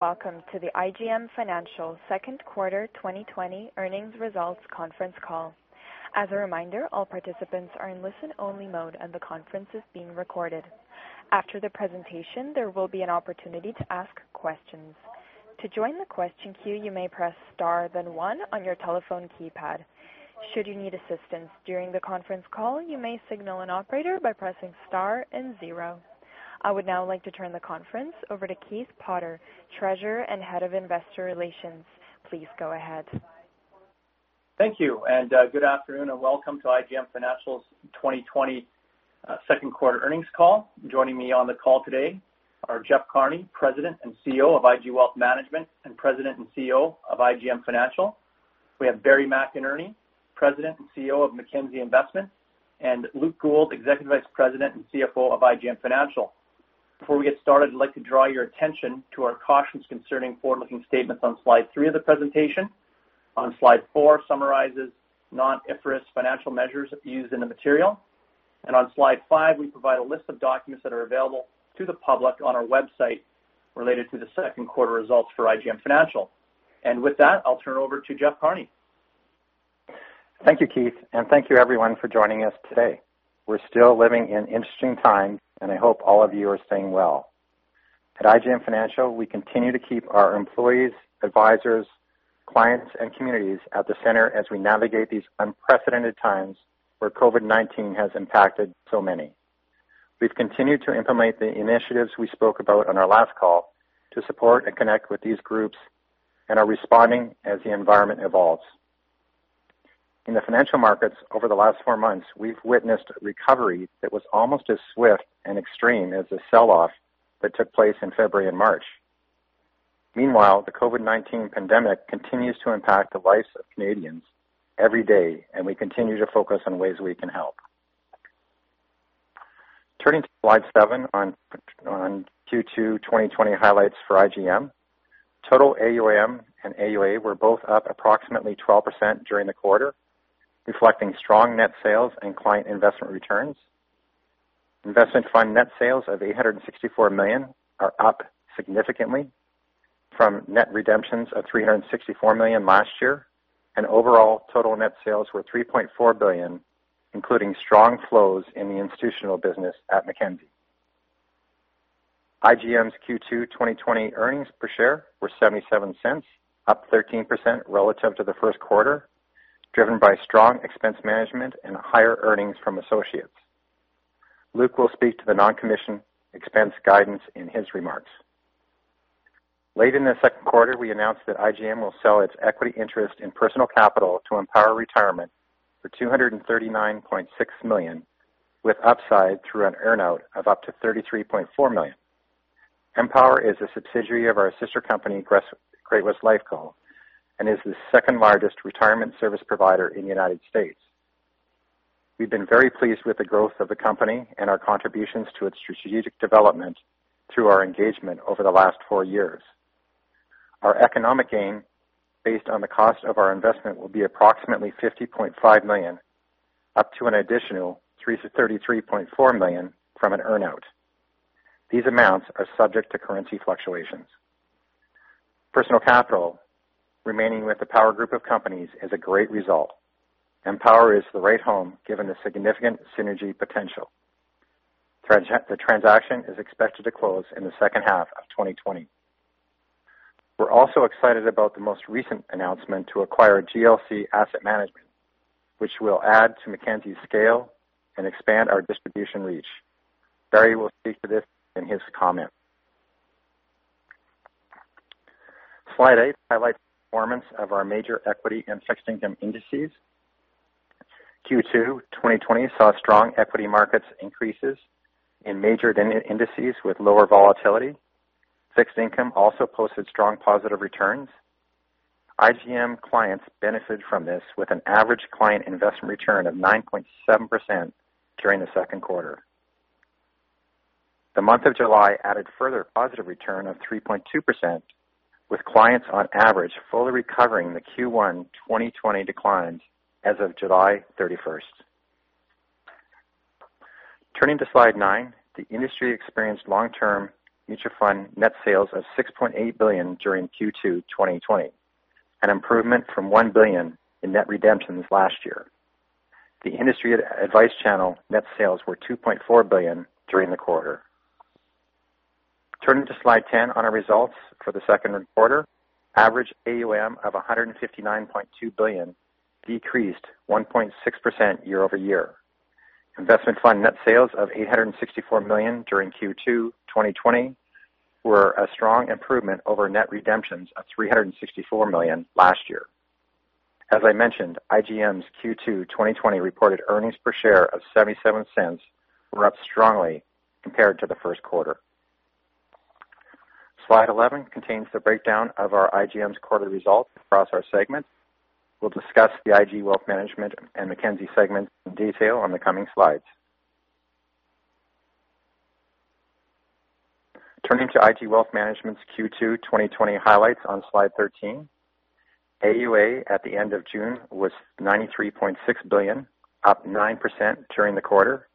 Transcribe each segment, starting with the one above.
Welcome to the IGM Financial Second Quarter 2020 Earnings Results Conference Call. As a reminder, all participants are in listen-only mode, and the conference is being recorded. After the presentation, there will be an opportunity to ask questions. To join the question queue, you may press star, then one on your telephone keypad. Should you need assistance during the conference call, you may signal an operator by pressing star and zero. I would now like to turn the conference over to Keith Potter, Treasurer and Head of Investor Relations. Please go ahead. Thank you, and, good afternoon, and welcome to IGM Financial's 2020 second quarter earnings call. Joining me on the call today are Jeff Carney, President and CEO of IG Wealth Management, and President and CEO of IGM Financial. We have Barry McInerney, President and CEO of Mackenzie Investments, and Luke Gould, Executive Vice President and CFO of IGM Financial. Before we get started, I'd like to draw your attention to our cautions concerning forward-looking statements on slide 3 of the presentation. On slide 4 summarizes non-IFRS financial measures used in the material. On slide 5, we provide a list of documents that are available to the public on our website related to the second quarter results for IGM Financial. With that, I'll turn it over to Jeff Carney. Thank you, Keith, and thank you, everyone, for joining us today. We're still living in interesting times, and I hope all of you are staying well. At IGM Financial, we continue to keep our employees, advisors, clients, and communities at the center as we navigate these unprecedented times where COVID-19 has impacted so many. We've continued to implement the initiatives we spoke about on our last call to support and connect with these groups and are responding as the environment evolves. In the financial markets over the last four months, we've witnessed recovery that was almost as swift and extreme as the sell-off that took place in February and March. Meanwhile, the COVID-19 pandemic continues to impact the lives of Canadians every day, and we continue to focus on ways we can help. Turning to slide seven on Q2 2020 highlights for IGM. Total AUM and AUA were both up approximately 12% during the quarter, reflecting strong net sales and client investment returns. Investment fund net sales of 864 million are up significantly from net redemptions of 364 million last year, and overall, total net sales were 3.4 billion, including strong flows in the institutional business at Mackenzie. IGM's Q2 2020 earnings per share were 0.77, up 13% relative to the first quarter, driven by strong expense management and higher earnings from associates. Luke will speak to the non-commission expense guidance in his remarks. Late in the second quarter, we announced that IGM will sell its equity interest in Personal Capital to Empower Retirement for $239.6 million, with upside through an earn-out of up to $33.4 million. Empower is a subsidiary of our sister company, Great-West Lifeco, and is the second largest retirement service provider in the United States. We've been very pleased with the growth of the company and our contributions to its strategic development through our engagement over the last four years. Our economic gain, based on the cost of our investment, will be approximately $50.5 million, up to an additional $3 million-$33.4 million from an earn-out. These amounts are subject to currency fluctuations. Personal Capital remaining with the Power group of companies is a great result. Empower is the right home, given the significant synergy potential. The transaction is expected to close in the second half of 2020. We're also excited about the most recent announcement to acquire GLC Asset Management, which will add to Mackenzie's scale and expand our distribution reach. Barry will speak to this in his comment. Slide 8 highlights the performance of our major equity and fixed income indices. Q2 2020 saw strong equity markets increases in major indices with lower volatility. Fixed income also posted strong positive returns. IGM clients benefited from this with an average client investment return of 9.7% during the second quarter. The month of July added further positive return of 3.2%, with clients on average fully recovering the Q1 2020 declines as of July 31. Turning to slide 9, the industry experienced long-term mutual fund net sales of 6.8 billion during Q2 2020, an improvement from 1 billion in net redemptions last year. The industry advice channel net sales were 2.4 billion during the quarter. Turning to slide 10 on our results for the second quarter. Average AUM of 159.2 billion decreased 1.6% year-over-year. Investment fund net sales of 864 million during Q2 2020 were a strong improvement over net redemptions of 364 million last year. As I mentioned, IGM's Q2 2020 reported earnings per share of 0.77 were up strongly compared to the first quarter. Slide 11 contains the breakdown of our IGM's quarterly results across our segments. We'll discuss the IG Wealth Management and Mackenzie segment in detail on the coming slides. Turning to IG Wealth Management's Q2 2020 highlights on slide 13. AUA at the end of June was 93.6 billion, up 9% during the quarter....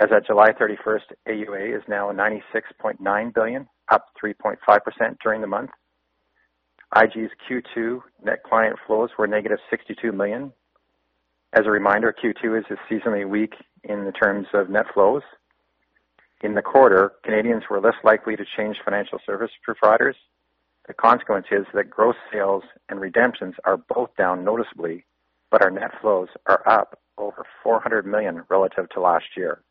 As at July 31, AUA is now 96.9 billion, up 3.5% during the month. IG's Q2 net client flows were negative 62 million. As a reminder, Q2 is a seasonally weak in the terms of net flows. In the quarter, Canadians were less likely to change financial service providers. The consequence is that gross sales and redemptions are both down noticeably, but our net flows are up over 400 million relative to last year.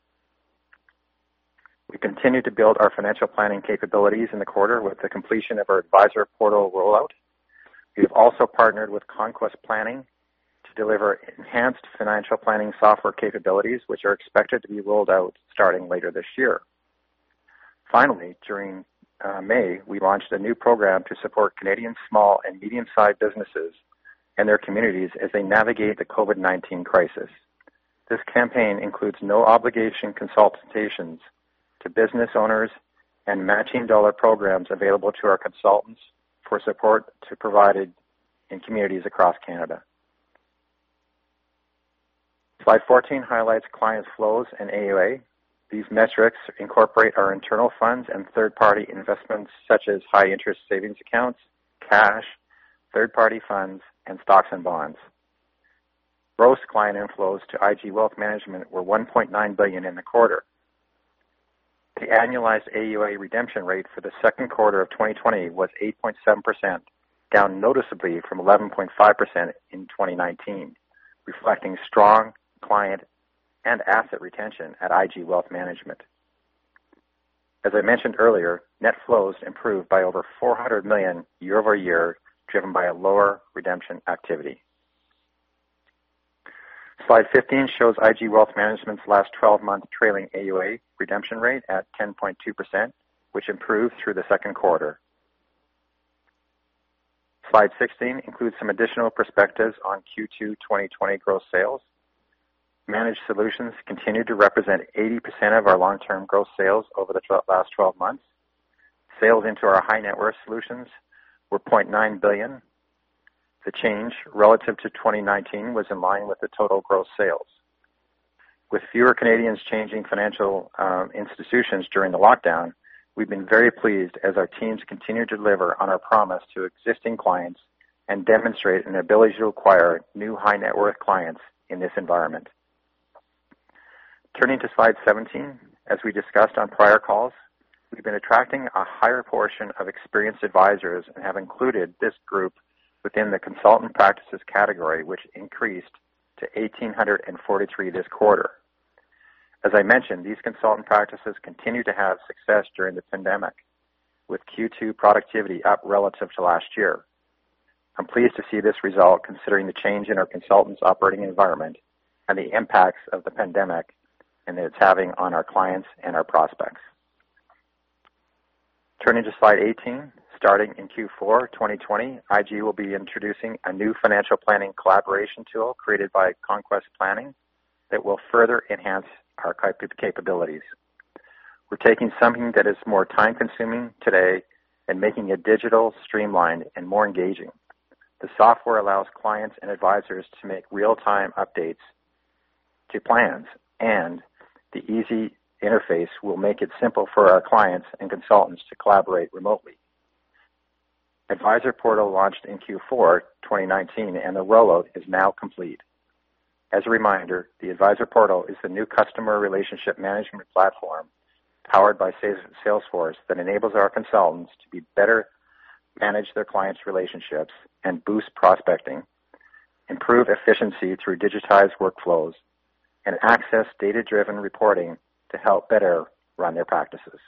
We continued to build our financial planning capabilities in the quarter with the completion of our Advisor Portal rollout. We've also partnered with Conquest Planning to deliver enhanced financial planning software capabilities, which are expected to be rolled out starting later this year. Finally, during May, we launched a new program to support Canadian small and medium-sized businesses and their communities as they navigate the COVID-19 crisis. This campaign includes no obligation consultations to business owners and matching dollar programs available to our consultants for support to provided in communities across Canada. Slide 14 highlights client flows and AUA. These metrics incorporate our internal funds and third-party investments, such as high interest savings accounts, cash, third-party funds, and stocks and bonds. Gross client inflows to IG Wealth Management were 1.9 billion in the quarter. The annualized AUA redemption rate for the second quarter of 2020 was 8.7%, down noticeably from 11.5% in 2019, reflecting strong client and asset retention at IG Wealth Management. As I mentioned earlier, net flows improved by over 400 million year-over-year, driven by a lower redemption activity. Slide 15 shows IG Wealth Management's last 12-month trailing AUA redemption rate at 10.2%, which improved through the second quarter. Slide 16 includes some additional perspectives on Q2 2020 gross sales. Managed solutions continued to represent 80% of our long-term gross sales over the last 12 months. Sales into our high net worth solutions were 0.9 billion. The change relative to 2019 was in line with the total gross sales. With fewer Canadians changing financial institutions during the lockdown, we've been very pleased as our teams continue to deliver on our promise to existing clients and demonstrate an ability to acquire new high net worth clients in this environment. Turning to slide 17, as we discussed on prior calls, we've been attracting a higher portion of experienced advisors and have included this group within the consultant practices category, which increased to 1,843 this quarter. As I mentioned, these consultant practices continued to have success during the pandemic, with Q2 productivity up relative to last year. I'm pleased to see this result, considering the change in our consultants' operating environment and the impacts of the pandemic, and it's having on our clients and our prospects. Turning to slide 18, starting in Q4 2020, IG will be introducing a new financial planning collaboration tool created by Conquest Planning that will further enhance our capabilities. We're taking something that is more time-consuming today and making it digital, streamlined, and more engaging. The software allows clients and advisors to make real-time updates to plans, and the easy interface will make it simple for our clients and consultants to collaborate remotely. Advisor Portal launched in Q4 2019, and the rollout is now complete. As a reminder, the Advisor Portal is the new customer relationship management platform powered by Salesforce, that enables our consultants to be better manage their clients' relationships and boost prospecting, improve efficiency through digitized workflows, and access data-driven reporting to help better run their practices.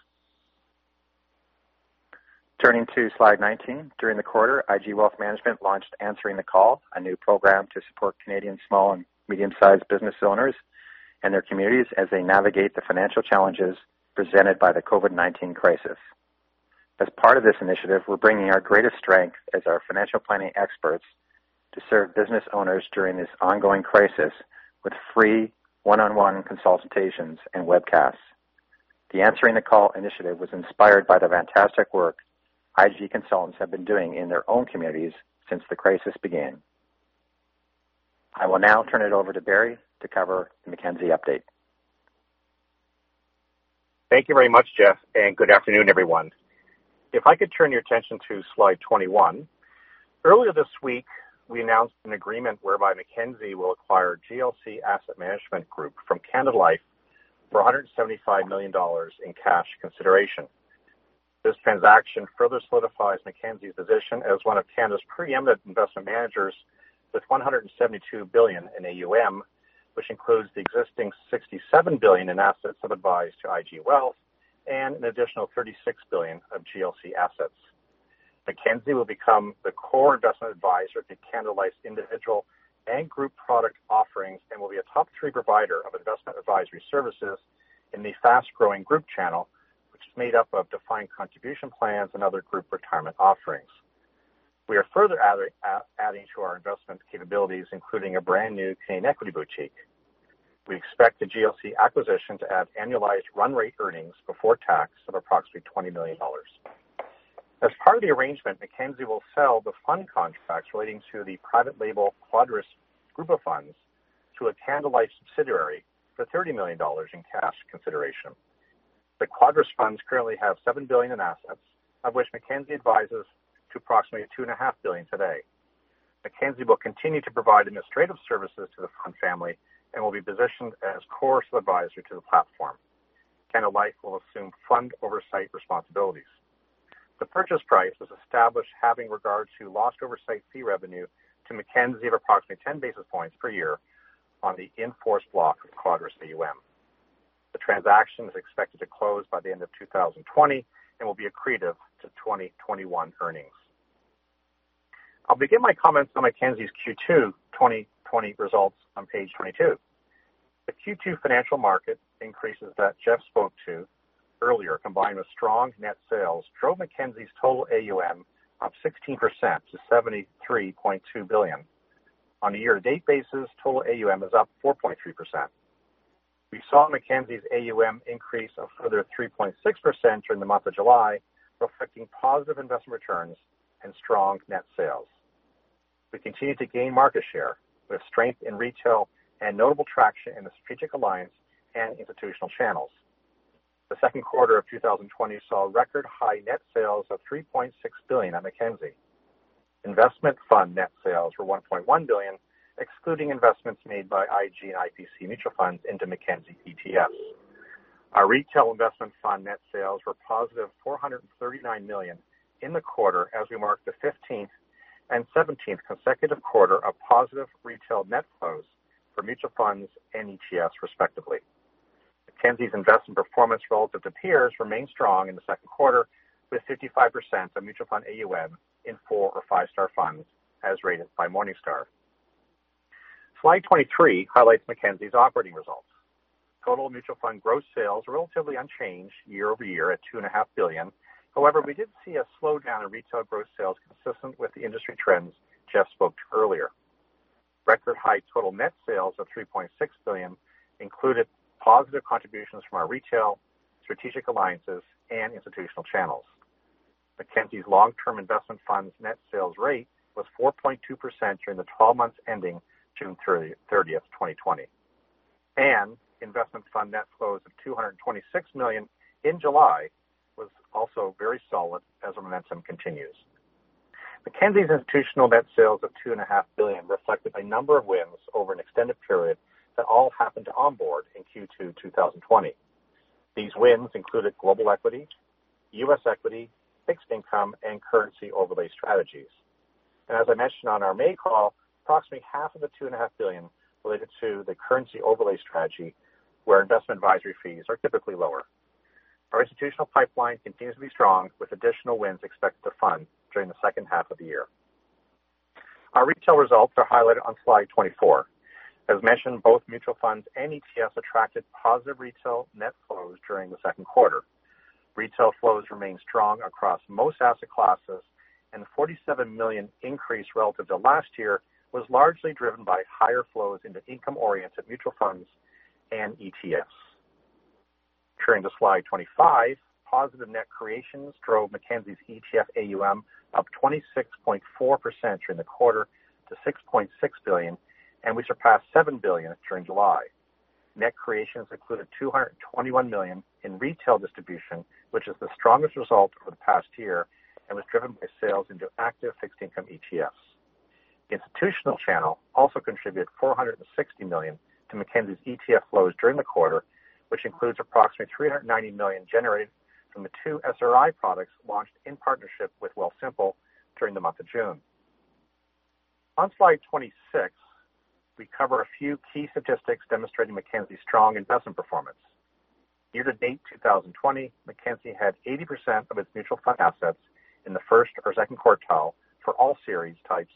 Turning to slide 19, during the quarter, IG Wealth Management launched Answering the Call, a new program to support Canadian small and medium-sized business owners and their communities as they navigate the financial challenges presented by the COVID-19 crisis. As part of this initiative, we're bringing our greatest strength as our financial planning experts to serve business owners during this ongoing crisis with free one-on-one consultations and webcasts. The Answering the Call initiative was inspired by the fantastic work IG consultants have been doing in their own communities since the crisis began. I will now turn it over to Barry to cover the Mackenzie update. Thank you very much, Jeff, and good afternoon, everyone. If I could turn your attention to slide 21. Earlier this week, we announced an agreement whereby Mackenzie will acquire GLC Asset Management Group from Canada Life for 175 million dollars in cash consideration. This transaction further solidifies Mackenzie's position as one of Canada's preeminent investment managers with 172 billion in AUM, which includes the existing 67 billion in assets advised to IG Wealth and an additional 36 billion of GLC assets. Mackenzie will become the core investment advisor to Canada Life's individual and group product offerings, and will be a top three provider of investment advisory services in the fast-growing group channel, which is made up of defined contribution plans and other group retirement offerings. We are further adding to our investment capabilities, including a brand new Canadian equity boutique. We expect the GLC acquisition to add annualized run rate earnings before tax of approximately 20 million dollars. As part of the arrangement, Mackenzie will sell the fund contracts relating to the private label Quadrus Group of Funds to a Canada Life subsidiary for 30 million dollars in cash consideration. The Quadrus funds currently have 7 billion in assets, of which Mackenzie advises to approximately 2.5 billion today. Mackenzie will continue to provide administrative services to the fund family and will be positioned as core advisor to the platform. Canada Life will assume fund oversight responsibilities. The purchase price was established having regard to lost oversight fee revenue to Mackenzie of approximately 10 basis points per year on the in-force block of Quadrus AUM. The transaction is expected to close by the end of 2020 and will be accretive to 2021 earnings. I'll begin my comments on Mackenzie's Q2 2020 results on page 22. The Q2 financial market increases that Jeff spoke to earlier, combined with strong net sales, drove Mackenzie's total AUM up 16% to 73.2 billion. On a year-to-date basis, total AUM is up 4.3%. We saw Mackenzie's AUM increase a further 3.6% during the month of July, reflecting positive investment returns and strong net sales. We continue to gain market share with strength in retail and notable traction in the strategic alliance and institutional channels. The second quarter of 2020 saw record high net sales of 3.6 billion at Mackenzie. Investment fund net sales were 1.1 billion, excluding investments made by IG and IPC Mutual Funds into Mackenzie ETFs. Our retail investment fund net sales were positive 439 million in the quarter as we marked the 15th and 17th consecutive quarter of positive retail net flows for mutual funds and ETFs, respectively. Mackenzie's investment performance relative to peers remained strong in the second quarter, with 55% of mutual fund AUM in 4- or 5-star funds as rated by Morningstar. Slide 23 highlights Mackenzie's operating results. Total mutual fund gross sales were relatively unchanged year-over-year at 2.5 billion. However, we did see a slowdown in retail gross sales consistent with the industry trends Jeff spoke to earlier. Record high total net sales of 3.6 billion included positive contributions from our retail, strategic alliances, and institutional channels. Mackenzie's long-term investment funds net sales rate was 4.2% during the 12 months ending June 30, 2020, and investment fund net flows of 226 million in July was also very solid as the momentum continues. Mackenzie's institutional net sales of 2.5 billion reflected a number of wins over an extended period that all happened to onboard in Q2 2020. These wins included global equity, U.S. equity, fixed income, and currency overlay strategies. And as I mentioned on our May call, approximately half of the 2.5 billion related to the currency overlay strategy, where investment advisory fees are typically lower. Our institutional pipeline continues to be strong, with additional wins expected to fund during the second half of the year. Our retail results are highlighted on slide 24. As mentioned, both mutual funds and ETFs attracted positive retail net flows during the second quarter. Retail flows remained strong across most asset classes, and the 47 million increase relative to last year was largely driven by higher flows into income-oriented mutual funds and ETFs. Turning to slide 25, positive net creations drove Mackenzie's ETF AUM up 26.4% during the quarter to 6.6 billion, and we surpassed 7 billion during July. Net creations included 221 million in retail distribution, which is the strongest result over the past year and was driven by sales into active fixed income ETFs. The institutional channel also contributed 460 million to Mackenzie's ETF flows during the quarter, which includes approximately 390 million generated from the two SRI products launched in partnership with Wealthsimple during the month of June. On slide 26, we cover a few key statistics demonstrating Mackenzie's strong investment performance. Year to date, 2020, Mackenzie had 80% of its mutual fund assets in the first or second quartile for all series types,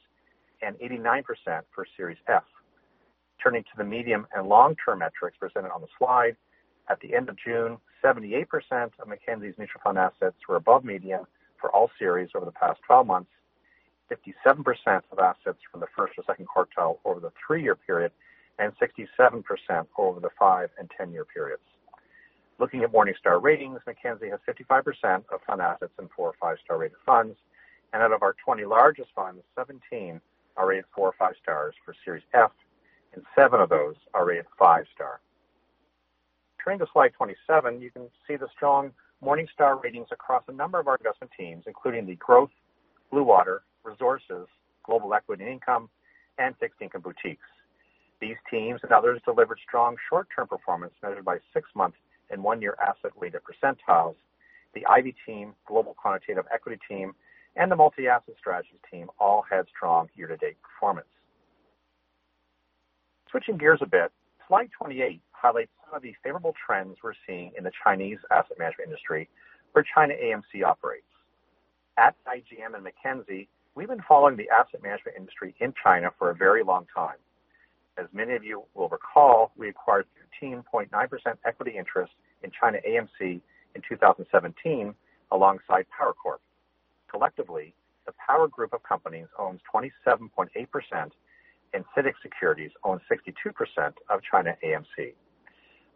and 89% for Series F. Turning to the medium and long-term metrics presented on the slide, at the end of June, 78% of Mackenzie's mutual fund assets were above median for all series over the past 12 months, 57% of assets from the first or second quartile over the 3-year period, and 67% over the 5- and 10-year periods. Looking at Morningstar ratings, Mackenzie has 55% of fund assets in four or five-star rated funds, and out of our 20 largest funds, 17 are rated four or five stars for Series F, and seven of those are rated five-star. Turning to slide 27, you can see the strong Morningstar ratings across a number of our investment teams, including the growth, Bluewater, resou rces, global equity income, and fixed income boutiques. These teams and others delivered strong short-term performance, measured by six-month and one-year asset-weighted percentiles. The Ivy team, Global Quantitative Equity team, and the Multi-Asset Strategies team all had strong year-to-date performance. Switching gears a bit, slide 28 highlights some of the favorable trends we're seeing in the Chinese asset management industry, where ChinaAMC operates. At IGM and Mackenzie, we've been following the asset management industry in China for a very long time. As many of you will recall, we acquired 13.9% equity interest in ChinaAMC in 2017, alongside Power Corp. Collectively, the Power group of companies owns 27.8%, and CITIC Securities owns 62% of ChinaAMC....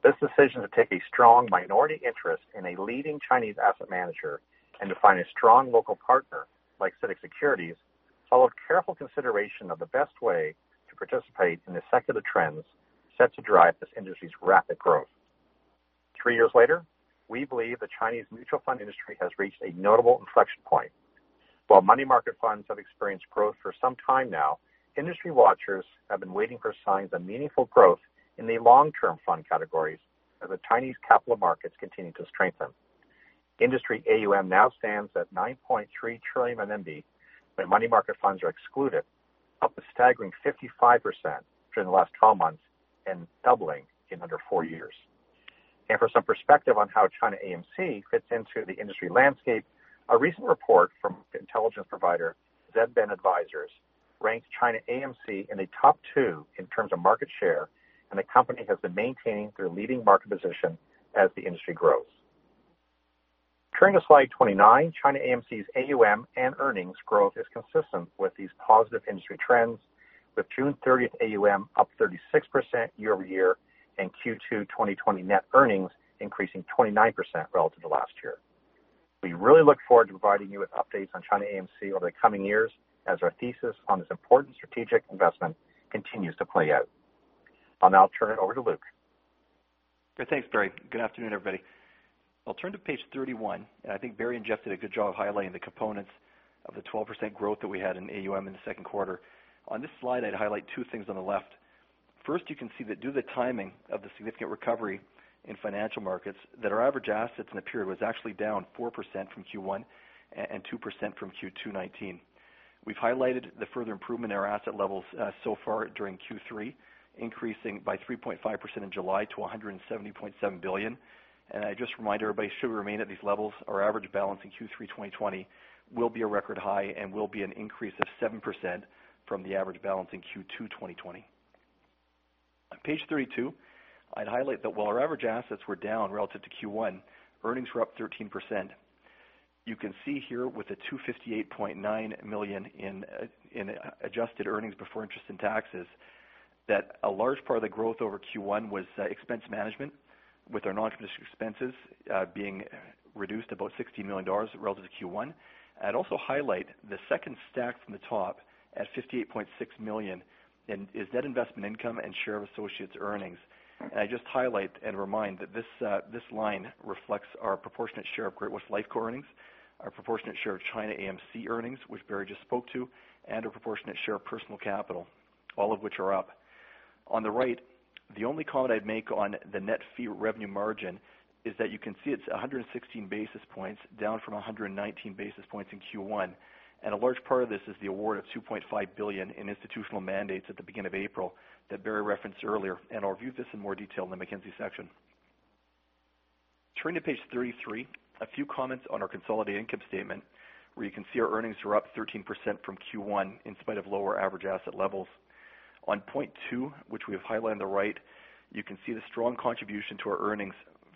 This decision to take a strong minority interest in a leading Chinese asset manager and to find a strong local partner like CITIC Securities, followed careful consideration of the best way to participate in the secular trends set to drive this industry's rapid growth. 3 years later, we believe the Chinese mutual fund industry has reached a notable inflection point. While money market funds have experienced growth for some time now, industry watchers have been waiting for signs of meaningful growth in the long-term fund categories as the Chinese capital markets continue to strengthen. Industry AUM now stands at 9.3 trillion, when money market funds are excluded, up a staggering 55% during the last 12 months and doubling in under 4 years. For some perspective on how ChinaAMC fits into the industry landscape, a recent report from intelligence provider, Z-Ben Advisors, ranked ChinaAMC in the top two in terms of market share, and the company has been maintaining their leading market position as the industry grows. Turning to slide 29, ChinaAMC's AUM and earnings growth is consistent with these positive industry trends, with June thirtieth AUM up 36% year-over-year, and Q2 2020 net earnings increasing 29% relative to last year. We really look forward to providing you with updates on ChinaAMC over the coming years as our thesis on this important strategic investment continues to play out. I'll now turn it over to Luke. Good. Thanks, Barry. Good afternoon, everybody. I'll turn to page 31, and I think Barry and Jeff did a good job of highlighting the components of the 12% growth that we had in AUM in the second quarter. On this slide, I'd highlight two things on the left. First, you can see that due to the timing of the significant recovery in financial markets, that our average assets in the period was actually down 4% from Q1 and 2% from Q2 2019. We've highlighted the further improvement in our asset levels so far during Q3, increasing by 3.5% in July to 170.7 billion. I just remind everybody, should we remain at these levels, our average balance in Q3 2020 will be a record high and will be an increase of 7% from the average balance in Q2 2020. On page 32, I'd highlight that while our average assets were down relative to Q1, earnings were up 13%. You can see here with the 258.9 million in adjusted earnings before interest and taxes, that a large part of the growth over Q1 was expense management, with our non-interest expenses being reduced about 60 million dollars relative to Q1. I'd also highlight the second stack from the top at 58.6 million, and is net investment income and share of associates' earnings. I just highlight and remind that this, this line reflects our proportionate share of Great-West Lifeco earnings, our proportionate share of ChinaAMC earnings, which Barry just spoke to, and our proportionate share of Personal Capital, all of which are up. On the right, the only comment I'd make on the net fee revenue margin is that you can see it's 116 basis points, down from 119 basis points in Q1. A large part of this is the award of 2.5 billion in institutional mandates at the beginning of April, that Barry referenced earlier, and I'll review this in more detail in the Mackenzie section. Turning to page 33, a few comments on our consolidated income statement, where you can see our earnings are up 13% from Q1, in spite of lower average asset levels. On point two, which we have highlighted on the right, you can see the strong contribution to our earnings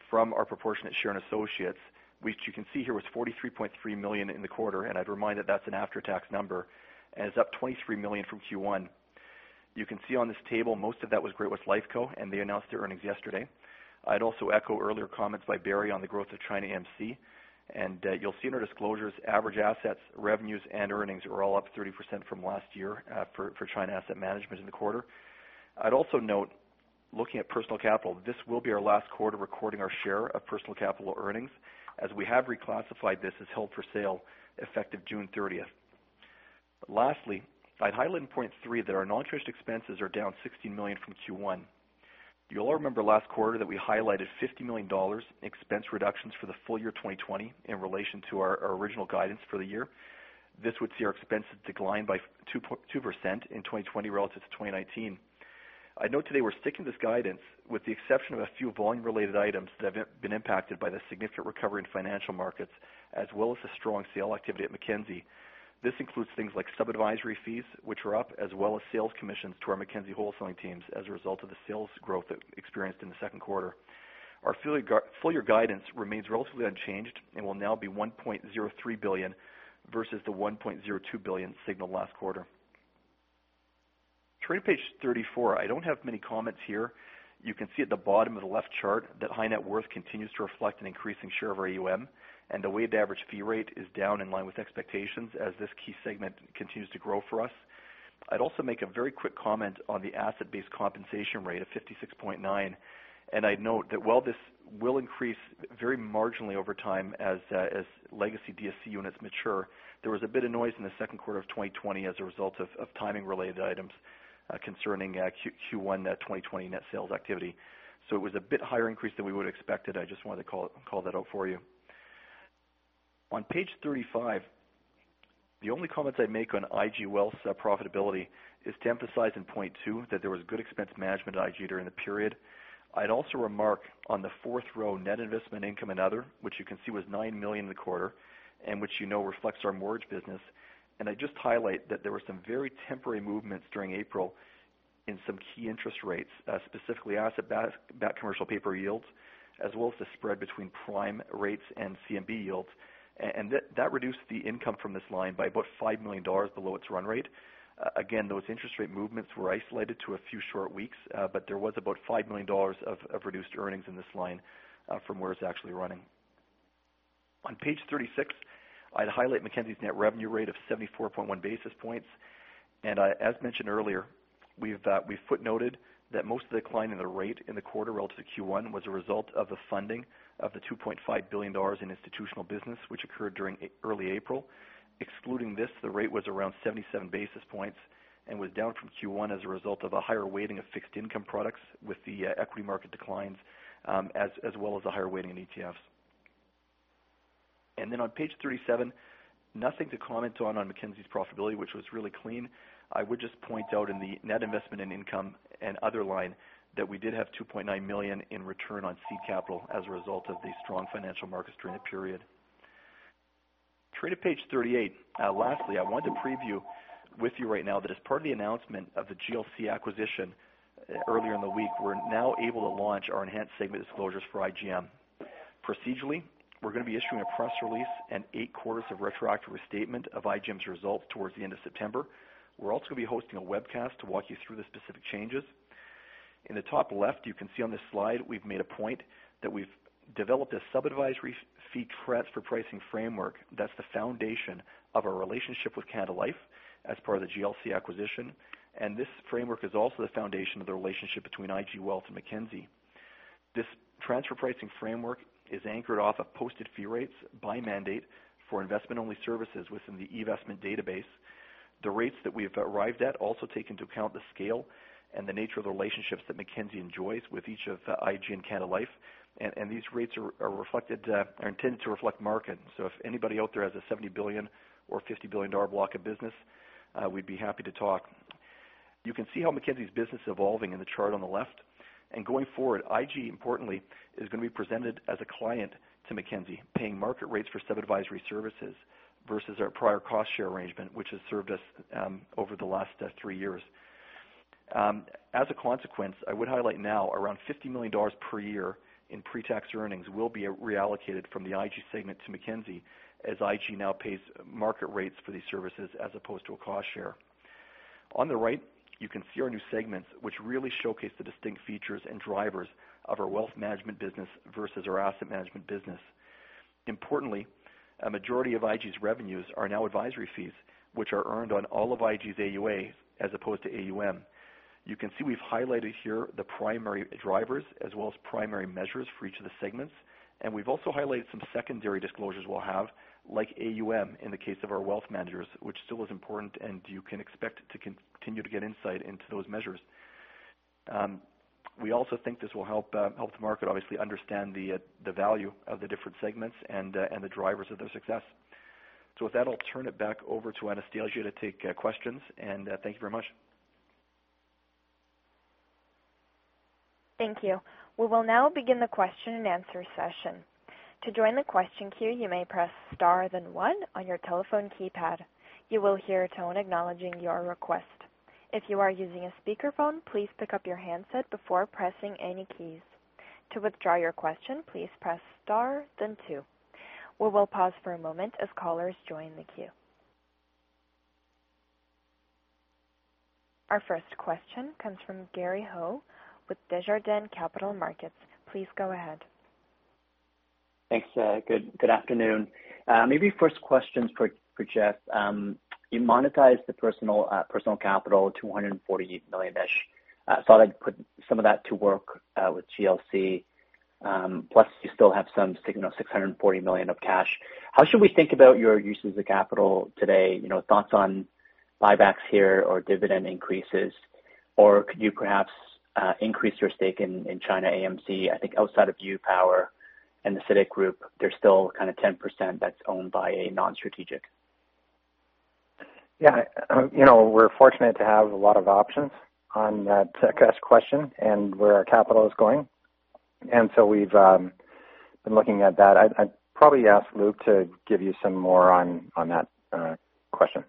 from our proportionate share in associates, which you can see here was 43.3 million in the quarter, and I'd remind that that's an after-tax number, and it's up 23 million from Q1. You can see on this table, most of that was Great-West Lifeco, and they announced their earnings yesterday. I'd also echo earlier comments by Barry on the growth of ChinaAMC, and you'll see in our disclosures, average assets, revenues, and earnings are all up 30% from last year, for China Asset Management in the quarter. I'd also note, looking at Personal Capital, this will be our last quarter recording our share of Personal Capital earnings, as we have reclassified this as held for sale, effective June thirtieth. Lastly, I'd highlight in point three, that our non-interest expenses are down 16 million from Q1. You all remember last quarter that we highlighted 50 million dollars in expense reductions for the full year 2020 in relation to our original guidance for the year. This would see our expenses decline by 2.2% in 2020 relative to 2019. I'd note today we're sticking this guidance, with the exception of a few volume-related items that have been impacted by the significant recovery in financial markets, as well as the strong sales activity at Mackenzie. This includes things like sub-advisory fees, which are up, as well as sales commissions to our Mackenzie wholesaling teams as a result of the sales growth experienced in the second quarter. Our full year guidance remains relatively unchanged and will now be 1.03 billion, versus the 1.02 billion signaled last quarter. Turning to page 34, I don't have many comments here. You can see at the bottom of the left chart that high net worth continues to reflect an increasing share of our AUM, and the weighted average fee rate is down in line with expectations as this key segment continues to grow for us. I'd also make a very quick comment on the asset-based compensation rate of 56.9, and I'd note that while this will increase very marginally over time as legacy DSC units mature, there was a bit of noise in the second quarter of 2020 as a result of timing-related items concerning Q1 2020 net sales activity. So it was a bit higher increase than we would have expected. I just wanted to call that out for you. On page 35, the only comments I'd make on IG Wealth's profitability is to emphasize in point two, that there was good expense management at IG during the period. I'd also remark on the fourth row, net investment income and other, which you can see was 9 million in the quarter, and which you know reflects our mortgage business. And I'd just highlight that there were some very temporary movements during April in some key interest rates, specifically asset-backed commercial paper yields as well as the spread between prime rates and CMB yields. And that reduced the income from this line by about 5 million dollars below its run rate. Again, those interest rate movements were isolated to a few short weeks, but there was about 5 million dollars of reduced earnings in this line from where it's actually running. On page 36, I'd highlight Mackenzie's net revenue rate of 74.1 basis points. As mentioned earlier, we've footnoted that most of the decline in the rate in the quarter relative to Q1 was a result of the funding of 2.5 billion dollars in institutional business, which occurred during early April. Excluding this, the rate was around 77 basis points and was down from Q1 as a result of a higher weighting of fixed income products with the equity market declines, as well as a higher weighting in ETFs. Then on page 37, nothing to comment on, on Mackenzie's profitability, which was really clean. I would just point out in the net investment and income and other line, that we did have 2.9 million in return on seed capital as a result of the strong financial markets during the period. Turn to page 38. Lastly, I wanted to preview with you right now that as part of the announcement of the GLC acquisition earlier in the week, we're now able to launch our enhanced segment disclosures for IGM. Procedurally, we're going to be issuing a press release and 8 quarters of retroactive restatement of IGM's results towards the end of September. We're also going to be hosting a webcast to walk you through the specific changes. In the top left, you can see on this slide, we've made a point that we've developed a sub-advisory fee transfer pricing framework. That's the foundation of our relationship with Canada Life as part of the GLC acquisition. This framework is also the foundation of the relationship between IG Wealth and Mackenzie. This transfer pricing framework is anchored off of posted fee rates by mandate for investment-only services within the eVestment database. The rates that we have arrived at also take into account the scale and the nature of the relationships that Mackenzie enjoys with each of IG and Canada Life. And these rates are reflected, are intended to reflect market. So if anybody out there has a 70 billion or 50 billion-dollar block of business, we'd be happy to talk. You can see how Mackenzie's business is evolving in the chart on the left. Going forward, IG, importantly, is going to be presented as a client to Mackenzie, paying market rates for sub-advisory services versus our prior cost share arrangement, which has served us, over the last, three years. As a consequence, I would highlight now around 50 million dollars per year in pre-tax earnings will be reallocated from the IG segment to Mackenzie, as IG now pays market rates for these services as opposed to a cost share. On the right, you can see our new segments, which really showcase the distinct features and drivers of our wealth management business versus our asset management business. Importantly, a majority of IG's revenues are now advisory fees, which are earned on all of IG's AUA as opposed to AUM. You can see we've highlighted here the primary drivers as well as primary measures for each of the segments, and we've also highlighted some secondary disclosures we'll have, like AUM, in the case of our wealth managers, which still is important, and you can expect to continue to get insight into those measures. We also think this will help the market obviously understand the value of the different segments and the drivers of their success. So with that, I'll turn it back over to Anastasia to take questions, and thank you very much. Thank you. We will now begin the question-and-answer session. To join the question queue, you may press star, then one on your telephone keypad. You will hear a tone acknowledging your request. If you are using a speakerphone, please pick up your handset before pressing any keys. To withdraw your question, please press star then two. We will pause for a moment as callers join the queue. Our first question comes from Gary Ho with Desjardins Capital Markets. Please go ahead. Thanks, good, good afternoon. Maybe first questions for, for Jeff. You monetized the personal, personal capital, $248 million-ish. Thought I'd put some of that to work, with GLC, plus you still have some 640 million of cash. How should we think about your uses of capital today? You know, thoughts on buybacks here or dividend increases, or could you perhaps increase your stake in, in ChinaAMC? I think outside of Power and the CITIC Group, there's still kind of 10% that's owned by a non-strategic. Yeah. You know, we're fortunate to have a lot of options on that question and where our capital is going. And so we've been looking at that. I'd probably ask Luke to give you some more on that question.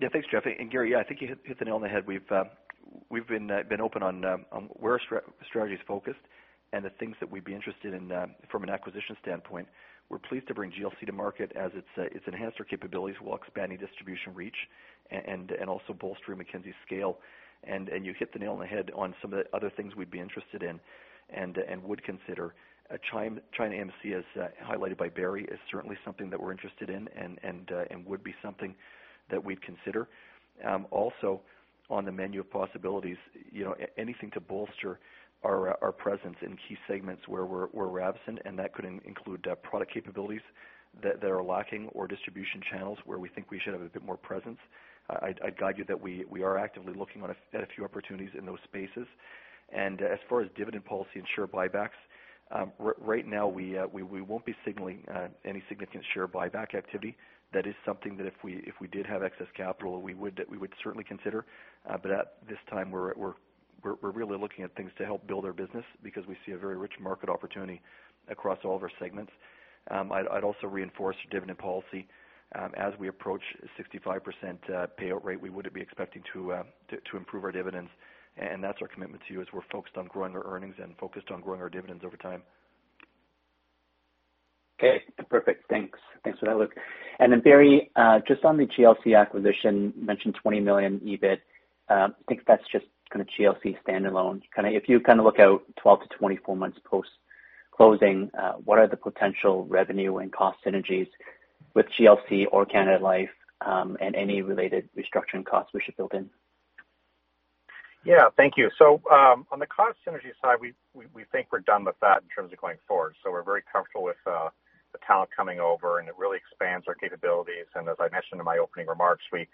Yeah, thanks, Jeff. And Gary, yeah, I think you hit the nail on the head. We've been open on where our strategy is focused and the things that we'd be interested in from an acquisition standpoint. We're pleased to bring GLC to market as it's enhanced our capabilities while expanding distribution reach and also bolstering Mackenzie's scale. And you hit the nail on the head on some of the other things we'd be interested in and would consider. ChinaAMC, as highlighted by Barry, is certainly something that we're interested in and would be something that we'd consider. Also on the menu of possibilities, you know, anything to bolster our presence in key segments where we're absent, and that could include product capabilities that are lacking or distribution channels where we think we should have a bit more presence. I'd guide you that we are actively looking at a few opportunities in those spaces. As far as dividend policy and share buybacks, right now, we won't be signaling any significant share buyback activity. That is something that if we did have excess capital, we would certainly consider. But at this time, we're really looking at things to help build our business because we see a very rich market opportunity across all of our segments. I'd also reinforce dividend policy. As we approach 65% payout rate, we would be expecting to improve our dividends. And that's our commitment to you, as we're focused on growing our earnings and focused on growing our dividends over time.... Okay, perfect. Thanks. Thanks for that, Luke. And then, Barry, just on the GLC acquisition, you mentioned 20 million EBIT. I think that's just kind of GLC standalone. Kind of, if you kind of look out 12-24 months post-closing, what are the potential revenue and cost synergies with GLC or Canada Life, and any related restructuring costs we should build in? Yeah. Thank you. So, on the cost synergy side, we think we're done with that in terms of going forward. So we're very comfortable with the talent coming over, and it really expands our capabilities. And as I mentioned in my opening remarks, we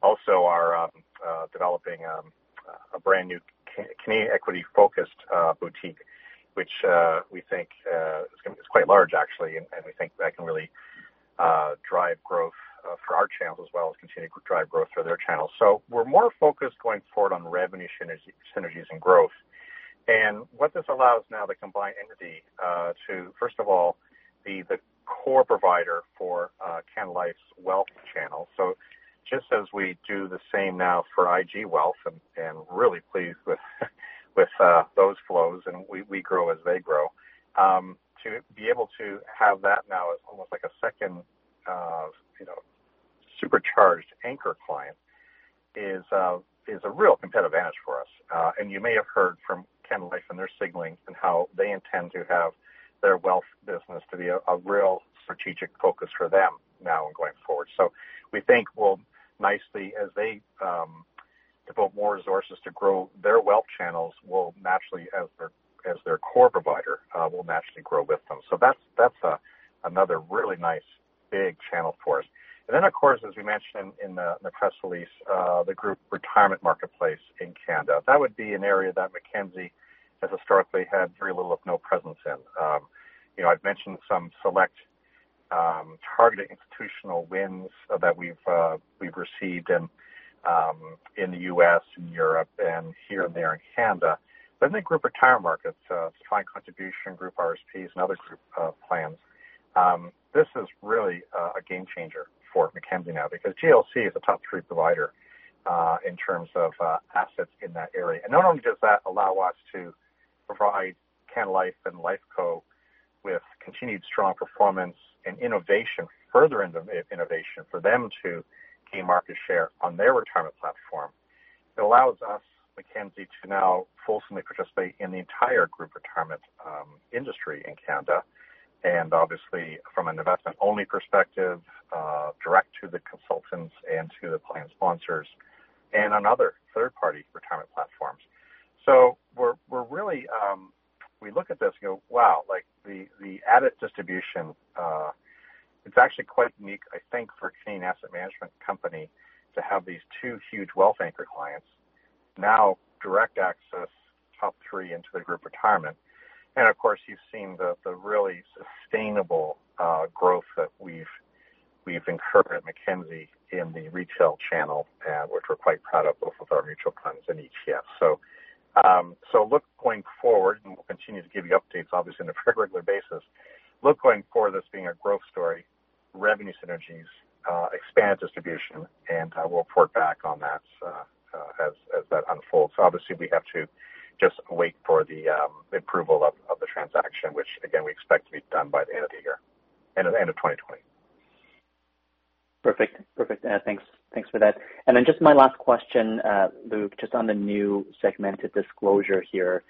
also are developing a brand new Canadian equity focused boutique, which we think it's quite large actually, and we think that can really drive growth for our channels as well as continue to drive growth through their channels. So we're more focused going forward on revenue synergy, synergies, and growth. And what this allows now, the combined entity, to first of all, be the core provider for Canada Life's wealth channel. So just as we do the same now for IG Wealth, and really pleased with those flows, and we grow as they grow. To be able to have that now as almost like a second, you know, supercharged anchor client is a real competitive advantage for us. And you may have heard from Canada Life and their signaling, and how they intend to have their wealth business to be a real strategic focus for them now and going forward. So we think we'll nicely, as they devote more resources to grow their wealth channels, we'll naturally as their core provider, we'll naturally grow with them. So that's another really nice big channel for us. And then, of course, as we mentioned in the press release, the group retirement marketplace in Canada. That would be an area that Mackenzie has historically had very little, if no presence in. You know, I've mentioned some select, targeted institutional wins that we've received in the U.S. and Europe and here and there in Canada. But in the group retirement markets, defined contribution, group RSPs and other group plans, this is really a game changer for Mackenzie now. Because GLC is a top three provider, in terms of assets in that area. Not only does that allow us to provide Canada Life and Lifeco with continued strong performance and innovation, further innovation for them to gain market share on their retirement platform, it allows us, Mackenzie, to now fully participate in the entire group retirement industry in Canada, and obviously from an investment-only perspective, direct to the consultants and to the plan sponsors and on other third party retirement platforms. So we're really. We look at this and go, "Wow!" Like, the added distribution, it's actually quite unique, I think, for a Canadian asset management company to have these two huge wealth anchor clients, now direct access top three into the group retirement. And of course, you've seen the really sustainable growth that we've incurred at Mackenzie in the retail channel, which we're quite proud of, both with our mutual funds and ETFs. So, look going forward, and we'll continue to give you updates, obviously, on a pretty regular basis. Look going forward, this being a growth story, revenue synergies, expanded distribution, and we'll report back on that, as that unfolds. So obviously we have to just wait for the approval of the transaction, which again, we expect to be done by the end of the year, end of 2020. Perfect. Perfect. Thanks. Thanks for that. And then just my last question, Luke, just on the new segmented disclosure here.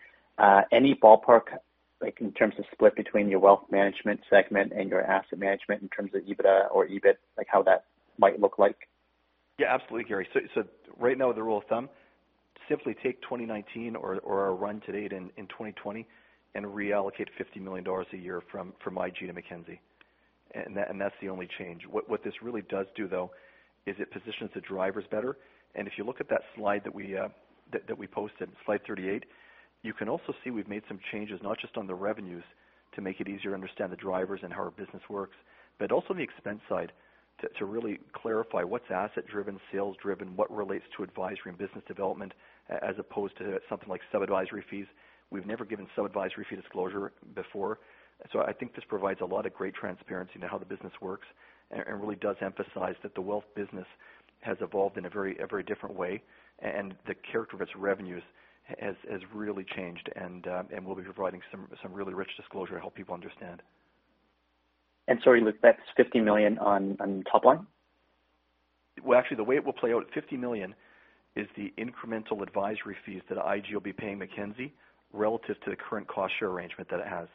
Any ballpark, like in terms of split between your wealth management segment and your asset management in terms of EBITDA or EBIT, like how that might look like? Yeah, absolutely, Gary. So, so right now the rule of thumb, simply take 2019 or, or our run to date in, in 2020, and reallocate 50 million dollars a year from, from IG to Mackenzie. And that, and that's the only change. What, what this really does do though, is it positions the drivers better. And if you look at that slide that we, that, that we posted, slide 38, you can also see we've made some changes, not just on the revenues to make it easier to understand the drivers and how our business works, but also the expense side to, to really clarify what's asset driven, sales driven, what relates to advisory and business development, as opposed to something like sub-advisory fees. We've never given sub-advisory fee disclosure before. So I think this provides a lot of great transparency into how the business works and really does emphasize that the wealth business has evolved in a very different way, and the character of its revenues has really changed. And we'll be providing some really rich disclosure to help people understand. Sorry, Luke, that's 50 million on the top line? Well, actually, the way it will play out, 50 million is the incremental advisory fees that IG will be paying Mackenzie relative to the current cost share arrangement that it has.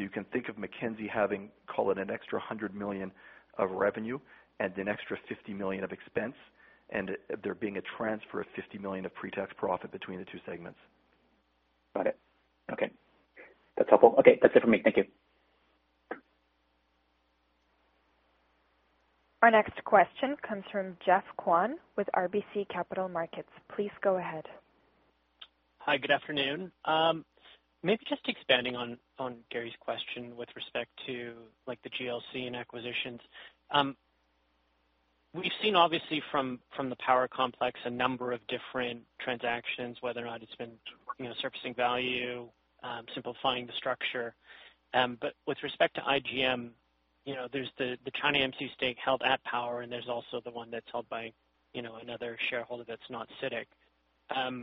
So you can think of Mackenzie having, call it an extra 100 million of revenue and an extra 50 million of expense, and there being a transfer of 50 million of pre-tax profit between the two segments. Got it. Okay. That's helpful. Okay, that's it for me. Thank you. Our next question comes from Geoff Kwan with RBC Capital Markets. Please go ahead. Hi, good afternoon. Maybe just expanding on, on Gary's question with respect to, like, the GLC and acquisitions. We've seen obviously from, from the Power Complex, a number of different transactions, whether or not it's been, you know, surfacing value, simplifying the structure. But with respect to IGM, you know, there's the, the ChinaAMC stake held at Power, and there's also the one that's held by, you know, another shareholder that's not CITIC. Like,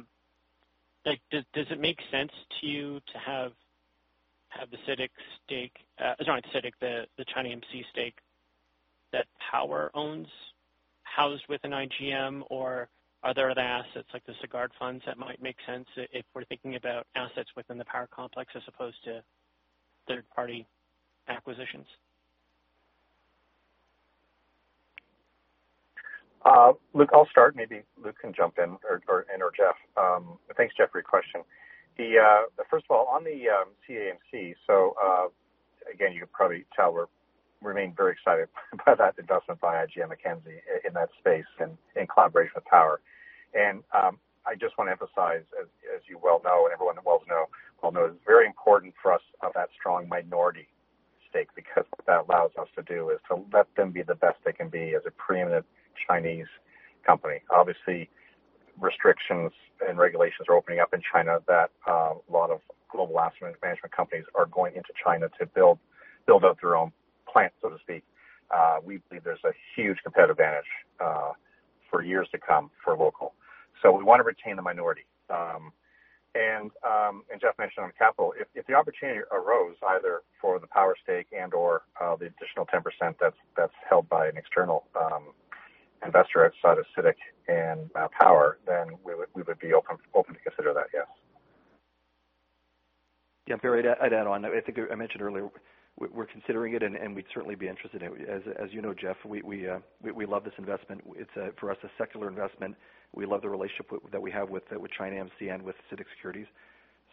does, does it make sense to you to have, have the CITIC stake, sorry, not CITIC, the, the ChinaAMC stake that Power owns, housed within IGM? Or are there other assets like the Sagard funds that might make sense if we're thinking about assets within the Power complex as opposed to third party acquisitions? Luke, I'll start. Maybe Luke can jump in or Jeff. Thanks, Jeff, for your question. The first of all, on the ChinaAMC. So, again, you can probably tell we're remain very excited about that investment by IGM Mackenzie in that space and in collaboration with Power. And, I just want to emphasize, as you well know, and everyone well knows, it's very important for us to have that strong minority stake, because what that allows us to do is to let them be the best they can be as a preeminent Chinese company. Obviously, restrictions and regulations are opening up in China that a lot of global asset management companies are going into China to build out their own plant, so to speak. We believe there's a huge competitive advantage for years to come for local. So we want to retain the minority. And Jeff mentioned on capital, if the opportunity arose, either for the Power stake and/or the additional 10% that's held by an external investor outside of CITIC and Power, then we would be open to consider that, yes. Yeah, Barry, I'd add on. I think I mentioned earlier, we're considering it, and we'd certainly be interested in it. As you know, Jeff, we love this investment. It's a secular investment for us. We love the relationship that we have with ChinaAMC and with CITIC Securities.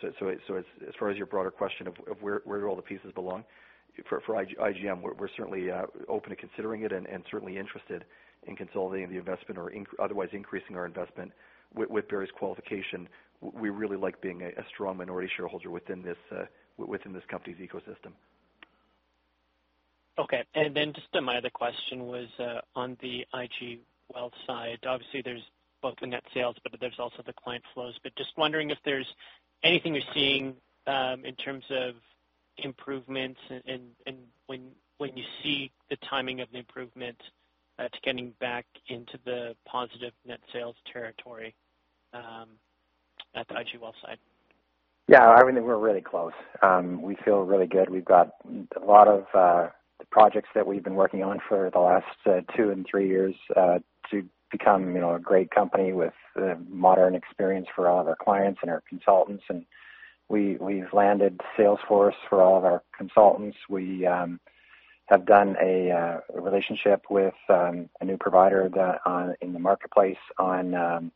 So as far as your broader question of where all the pieces belong, for IGM, we're certainly open to considering it and certainly interested in consolidating the investment or otherwise increasing our investment with Barry's qualification. We really like being a strong minority shareholder within this company's ecosystem. Okay. Then just my other question was on the IG Wealth side. Obviously, there's both the net sales, but there's also the client flows. But just wondering if there's anything you're seeing in terms of improvements and when you see the timing of the improvement to getting back into the positive net sales territory at the IG Wealth side? Yeah, I mean, we're really close. We feel really good. We've got a lot of projects that we've been working on for the last 2 and 3 years to become, you know, a great company with a modern experience for all of our clients and our consultants. And we, we've landed Salesforce for all of our consultants. We have done a relationship with a new provider that in the marketplace on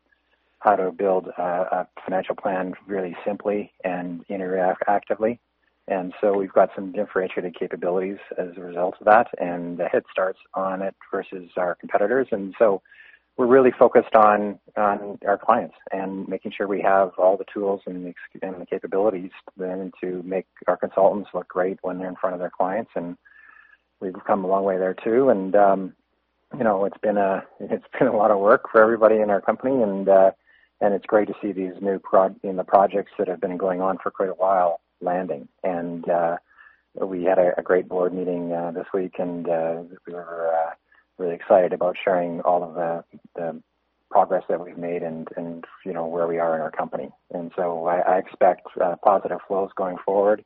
how to build a financial plan really simply and interactively. And so we've got some differentiated capabilities as a result of that, and the head starts on it versus our competitors. And so we're really focused on our clients and making sure we have all the tools and the capabilities then to make our consultants look great when they're in front of their clients. We've come a long way there, too. You know, it's been a lot of work for everybody in our company, and it's great to see these new the projects that have been going on for quite a while landing. We had a great board meeting this week, and we were really excited about sharing all of the progress that we've made and, you know, where we are in our company. So I expect positive flows going forward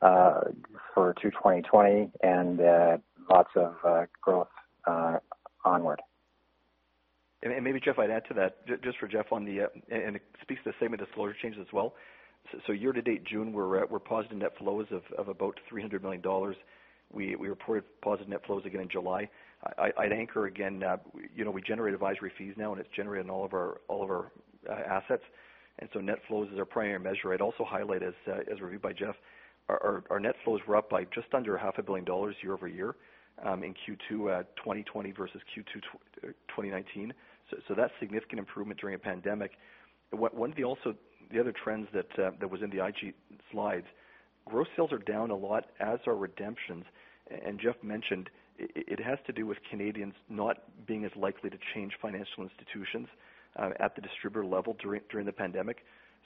for through 2020 and lots of growth onward. Maybe, Jeff, I'd add to that. Just for Jeff, on the. And it speaks to the same slower changes as well. So year-to-date June, we're positive net flows of about 300 million dollars. We reported positive net flows again in July. I'd anchor again, you know, we generate advisory fees now, and it's generated in all of our assets, and so net flows is our primary measure. I'd also highlight, as reviewed by Jeff, our net flows were up by just under 500 million dollars year-over-year in Q2 2020 versus Q2 2019. So that's significant improvement during a pandemic. One of the other trends that was in the IG slides, gross sales are down a lot as are redemptions. And Jeff mentioned, it has to do with Canadians not being as likely to change financial institutions at the distributor level during the pandemic.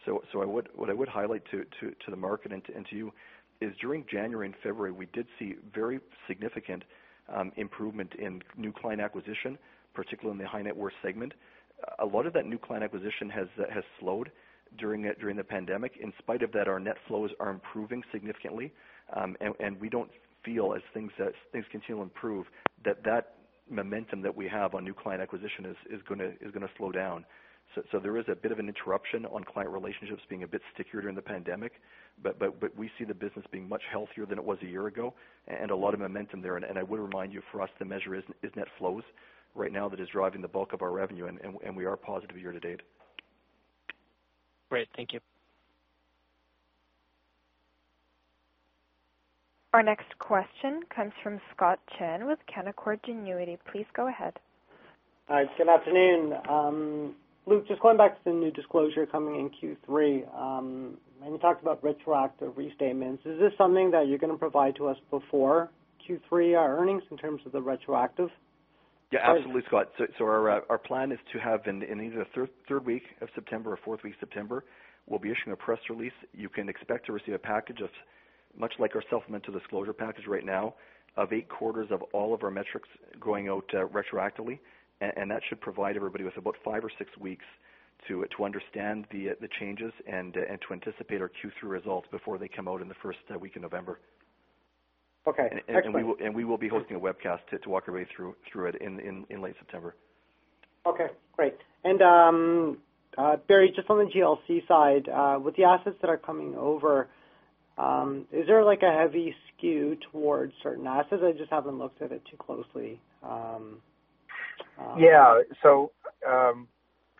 So what I would highlight to the market and to you is during January and February, we did see very significant improvement in new client acquisition, particularly in the high net worth segment. A lot of that new client acquisition has slowed during the pandemic. In spite of that, our net flows are improving significantly. And we don't feel as things continue to improve, that that momentum that we have on new client acquisition is gonna slow down. There is a bit of an interruption on client relationships being a bit stickier during the pandemic, but we see the business being much healthier than it was a year ago, and a lot of momentum there. I would remind you, for us, the measure is net flows right now that is driving the bulk of our revenue, and we are positive year to date. Great. Thank you. Our next question comes from Scott Chan with Canaccord Genuity. Please go ahead. Hi, good afternoon. Luke, just going back to the new disclosure coming in Q3. When you talked about retroactive restatements, is this something that you're going to provide to us before Q3, our earnings in terms of the retroactive? Yeah, absolutely, Scott. So our plan is to have in either the third week of September or fourth week of September, we'll be issuing a press release. You can expect to receive a package much like our supplemental disclosure package right now, of 8 quarters of all of our metrics going out retroactively. And that should provide everybody with about 5 or 6 weeks to understand the changes and to anticipate our Q3 results before they come out in the first week in November. Okay, excellent. We will be hosting a webcast to walk everybody through it in late September. Okay, great. And, Barry, just on the GLC side, with the assets that are coming over, is there like a heavy skew towards certain assets? I just haven't looked at it too closely. Yeah. So,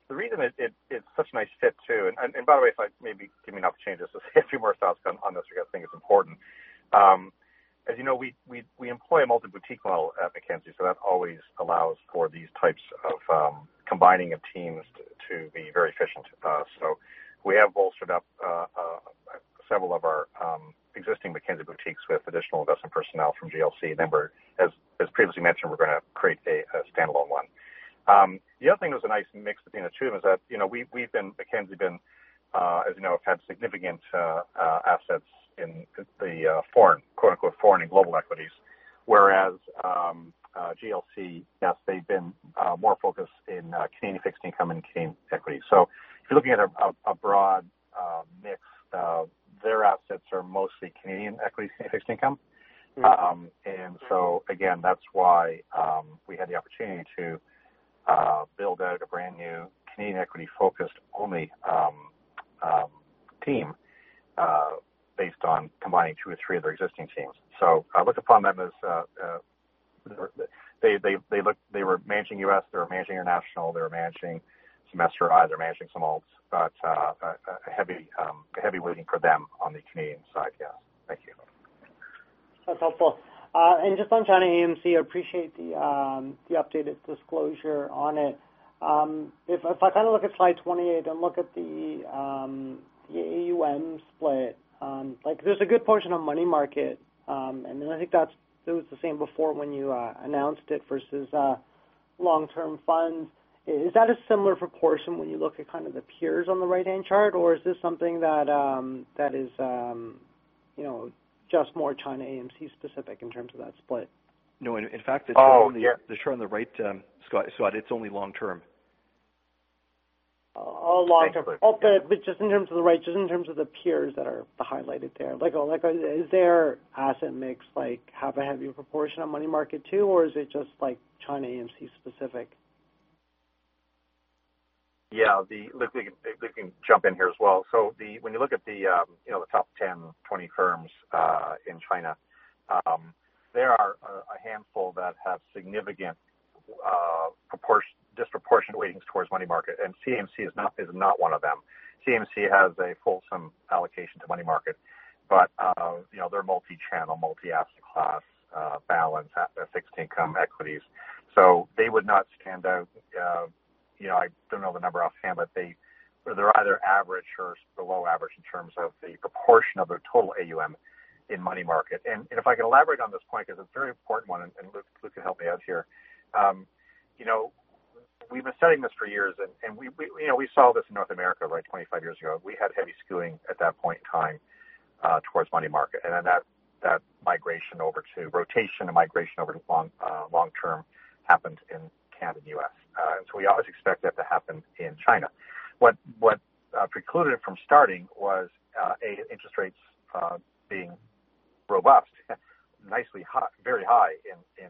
the reason it's such a nice fit, too, and by the way, if I may be given enough chances, just a few more thoughts on this, because I think it's important. As you know, we employ a multi-boutique model at Mackenzie, so that always allows for these types of combining of teams to be very efficient. So we have bolstered up several of our existing Mackenzie boutiques with additional investment personnel from GLC. And then, as previously mentioned, we're gonna create a standalone one. The other thing that's a nice mix between the two is that, you know, we've, we've been, Mackenzie been, as you know, have had significant, assets in the, foreign, quote, unquote, "foreign and global equities," whereas, GLC, yes, they've been, more focused in, Canadian fixed income and Canadian equity. So if you're looking at a, a broad, mix, their assets are mostly Canadian equity and fixed income. And so again, that's why, we had the opportunity to, build out a brand new Canadian equity focused only, team, based on combining 2 or 3 of their existing teams. So I look upon them as they were managing U.S., they were managing international, they were managing some master eyes, they're managing some alts, but a heavy weighting for them on the Canadian side. Yeah. Thank you. That's helpful. And just on ChinaAMC, I appreciate the updated disclosure on it. If I kind of look at slide 28 and look at the AUM split, like there's a good portion of money market. And then I think that's- it was the same before when you announced it versus long-term funds. Is that a similar proportion when you look at kind of the peers on the right-hand chart? Or is this something that, that is, you know, just more ChinaAMC specific in terms of that split? No, in fact, the chart on the right, Scott, it's only long term. All long term. Thanks, Scott. Just in terms of the right, just in terms of the peers that are highlighted there, like, like is their asset mix like have a heavier proportion of money market too, or is it just like ChinaAMC specific? Yeah, Luke, Luke can jump in here as well. So when you look at the, you know, the top 10, 20 firms in China, there are a handful that have significant disproportionate weightings towards money market, and CMC is not, is not one of them. CMC has a fulsome allocation to money market, but, you know, they're multi-channel, multi-asset class, balance, fixed income equities. So they would not stand out. You know, I don't know the number offhand, but they're either average or below average in terms of the proportion of their total AUM in money market. And if I can elaborate on this point, because it's a very important one, and Luke, Luke can help me out here. You know, we've been studying this for years, and we saw this in North America, right, 25 years ago. We had heavy skewing at that point in time towards money market, and then that rotation and migration over to long-term happened in Canada and U.S. So we always expect that to happen in China. What precluded it from starting was A, interest rates being robust, nicely high, very high,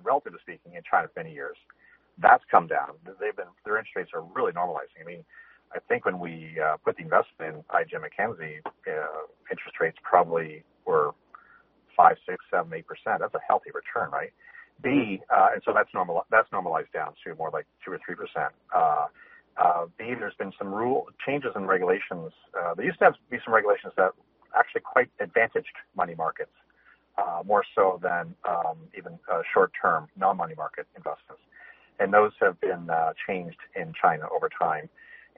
relatively speaking, in China for many years. That's come down. Their interest rates are really normalizing. I mean, I think when we put the investment in IG Mackenzie, interest rates probably were 5, 6, 7, 8%. That's a healthy return, right? And so that's normalized down to more like 2%-3%. There's been some rule changes in regulations. There used to be some regulations that actually quite advantaged money markets, more so than even short-term, non-money market investments. And those have been changed in China over time.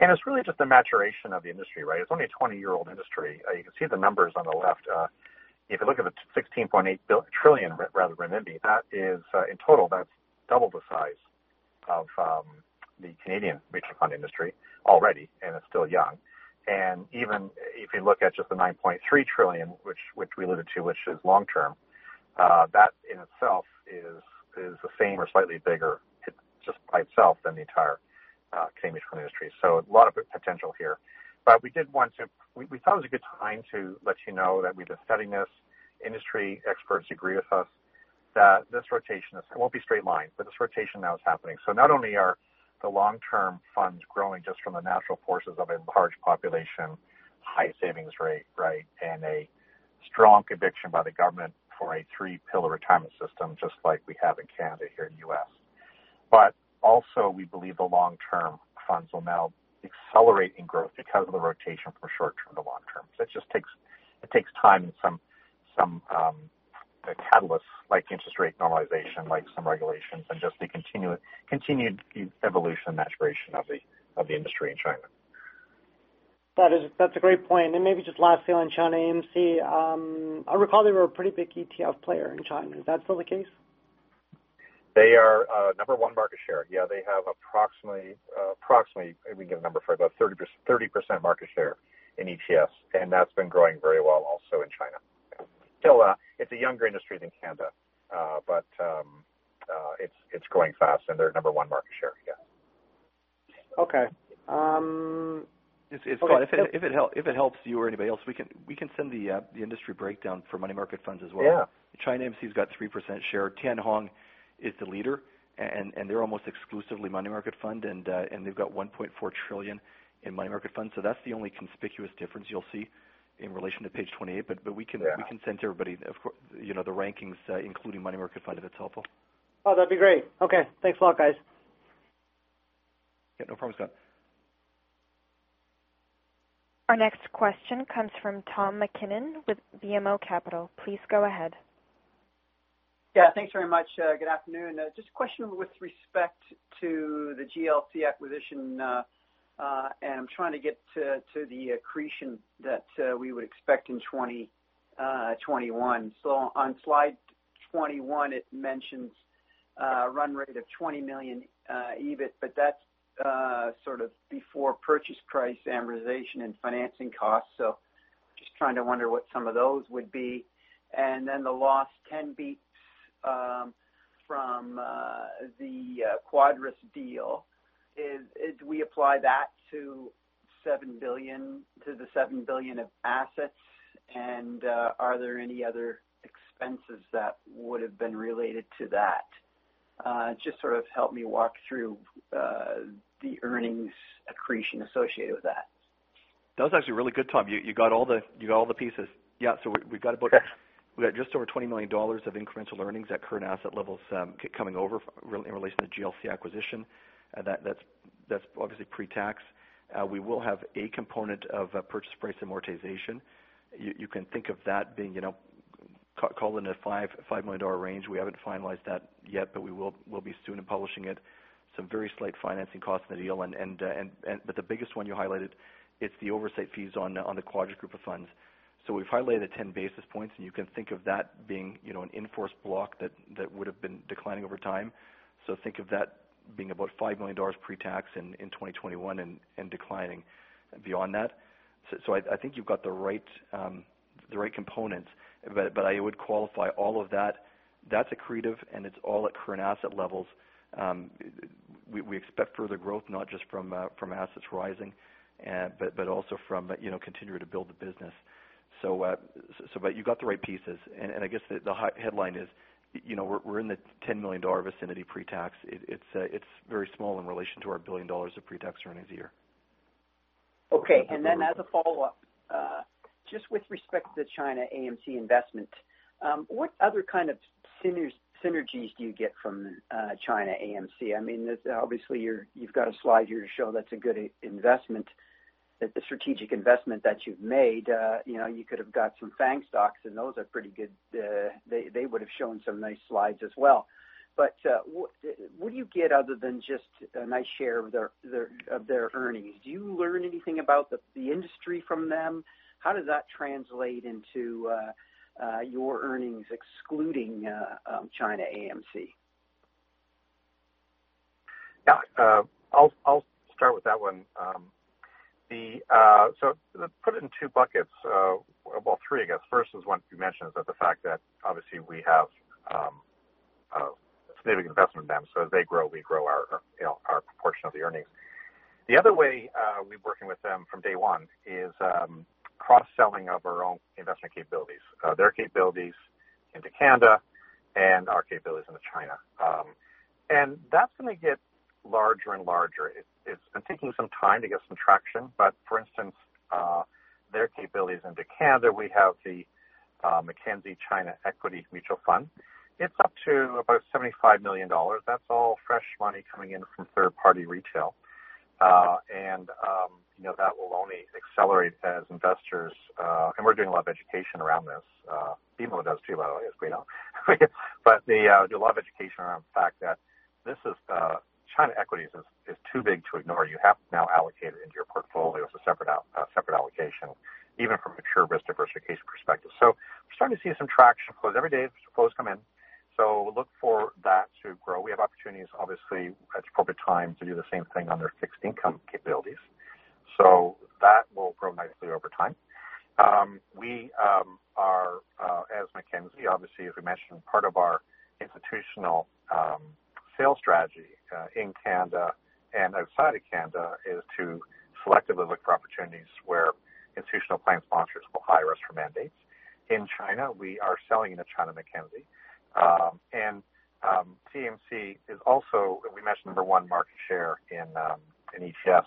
And it's really just the maturation of the industry, right? It's only a 20-year-old industry. You can see the numbers on the left. If you look at the 16.8 trillion renminbi, that is in total, that's double the size of the Canadian mutual fund industry already, and it's still young. Even if you look at just the 9.3 trillion, which we alluded to, which is long term, that in itself is the same or slightly bigger, just by itself, than the entire Canadian mutual fund industry. So a lot of good potential here. But we did want to... We thought it was a good time to let you know that we've been studying this. Industry experts agree with us that this rotation, it won't be straight line, but this rotation now is happening. So not only are the long-term funds growing just from the natural forces of a large population, high savings rate, right, and a strong conviction by the government for a three-pillar retirement system, just like we have in Canada, here in the U.S., but also, we believe the long-term funds will now accelerate in growth because of the rotation from short term to long term. So it just takes time and some catalysts, like interest rate normalization, like some regulations, and just the continued evolution and maturation of the industry in China. That is, that's a great point. And maybe just lastly, on ChinaAMC, I recall they were a pretty big ETF player in China. Is that still the case? ... They are number one market share. Yeah, they have approximately, let me get a number for it, about 30% market share in ETFs, and that's been growing very well also in China. Still, it's a younger industry than Canada, but it's growing fast, and they're number one market share, yeah. Okay, um- If it helps you or anybody else, we can send the industry breakdown for money market funds as well. Yeah. ChinaAMC's got 3% share. Tianhong is the leader, and they're almost exclusively money market fund, and they've got 1.4 trillion in money market funds, so that's the only conspicuous difference you'll see in relation to page 28. But we can- Yeah. We can send to everybody, of course, you know, the rankings, including money market fund, if it's helpful. Oh, that'd be great! Okay. Thanks a lot, guys. Yeah, no problem, Scott. Our next question comes from Tom MacKinnon with BMO Capital. Please go ahead. Yeah, thanks very much. Good afternoon. Just a question with respect to the GLC acquisition, and I'm trying to get to the accretion that we would expect in 2021. So on slide 21, it mentions a run rate of 20 million EBIT, but that's sort of before purchase price amortization and financing costs. So just trying to wonder what some of those would be. And then the loss to be from the Quadrus deal... Do we apply that to 7 billion, to the 7 billion of assets? And are there any other expenses that would've been related to that? Just sort of help me walk through the earnings accretion associated with that. That was actually really good, Tom. You got all the pieces. Yeah, so we've got about- Okay. We got just over 20 million dollars of incremental earnings at current asset levels, coming over in relation to the GLC acquisition. That's obviously pre-tax. We will have a component of a purchase price amortization. You can think of that being, you know, call it a 5 million dollar range. We haven't finalized that yet, but we'll be soon publishing it. Some very slight financing costs in the deal. But the biggest one you highlighted, it's the oversight fees on the Quadrus Group of Funds. So we've highlighted at 10 basis points, and you can think of that being, you know, an in-force block that would've been declining over time. So think of that being about 5 million dollars pre-tax in 2021 and declining beyond that. I think you've got the right components, but I would qualify all of that. That's accretive, and it's all at current asset levels. We expect further growth, not just from assets rising but also from, you know, continuing to build the business. But you got the right pieces, and I guess the headline is, you know, we're in the 10 million dollar vicinity pre-tax. It's very small in relation to our 1 billion dollars of pre-tax earnings a year. Okay. And then as a follow-up, just with respect to the ChinaAMC investment, what other kind of synergies do you get from ChinaAMC? I mean, obviously, you've got a slide here to show that's a good investment, that the strategic investment that you've made, you know, you could have got some FANG stocks, and those are pretty good. They would've shown some nice slides as well. But, what do you get other than just a nice share of their earnings? Do you learn anything about the industry from them? How does that translate into your earnings, excluding ChinaAMC? Yeah. I'll start with that one. So let's put it in two buckets, well, three, I guess. First is one you mentioned is that the fact that obviously we have a significant investment in them, so as they grow, we grow our, our, you know, our proportion of the earnings. The other way, we've working with them from day one is cross-selling of our own investment capabilities, their capabilities into Canada and our capabilities into China. And that's gonna get larger and larger. It's been taking some time to get some traction, but, for instance, their capabilities into Canada, we have the Mackenzie China Equity Mutual Fund. It's up to about 75 million dollars. That's all fresh money coming in from third-party retail. And, you know, that will only accelerate as investors... And we're doing a lot of education around this. BMO does, too, by the way, as we know. But they do a lot of education around the fact that China equities is too big to ignore. You have to now allocate it into your portfolio as a separate allocation, even from a pure risk diversification perspective. So we're starting to see some traction. Of course, every day, flows come in, so look for that to grow. We have opportunities, obviously, at the appropriate time, to do the same thing on their fixed income capabilities, so that will grow nicely over time. We are, as Mackenzie, obviously, as we mentioned, part of our institutional sales strategy in Canada and outside of Canada, is to selectively look for opportunities where institutional plan sponsors will hire us for mandates. In China, we are selling into ChinaAMC. And CMC is also, we mentioned, number one market share in ETFs.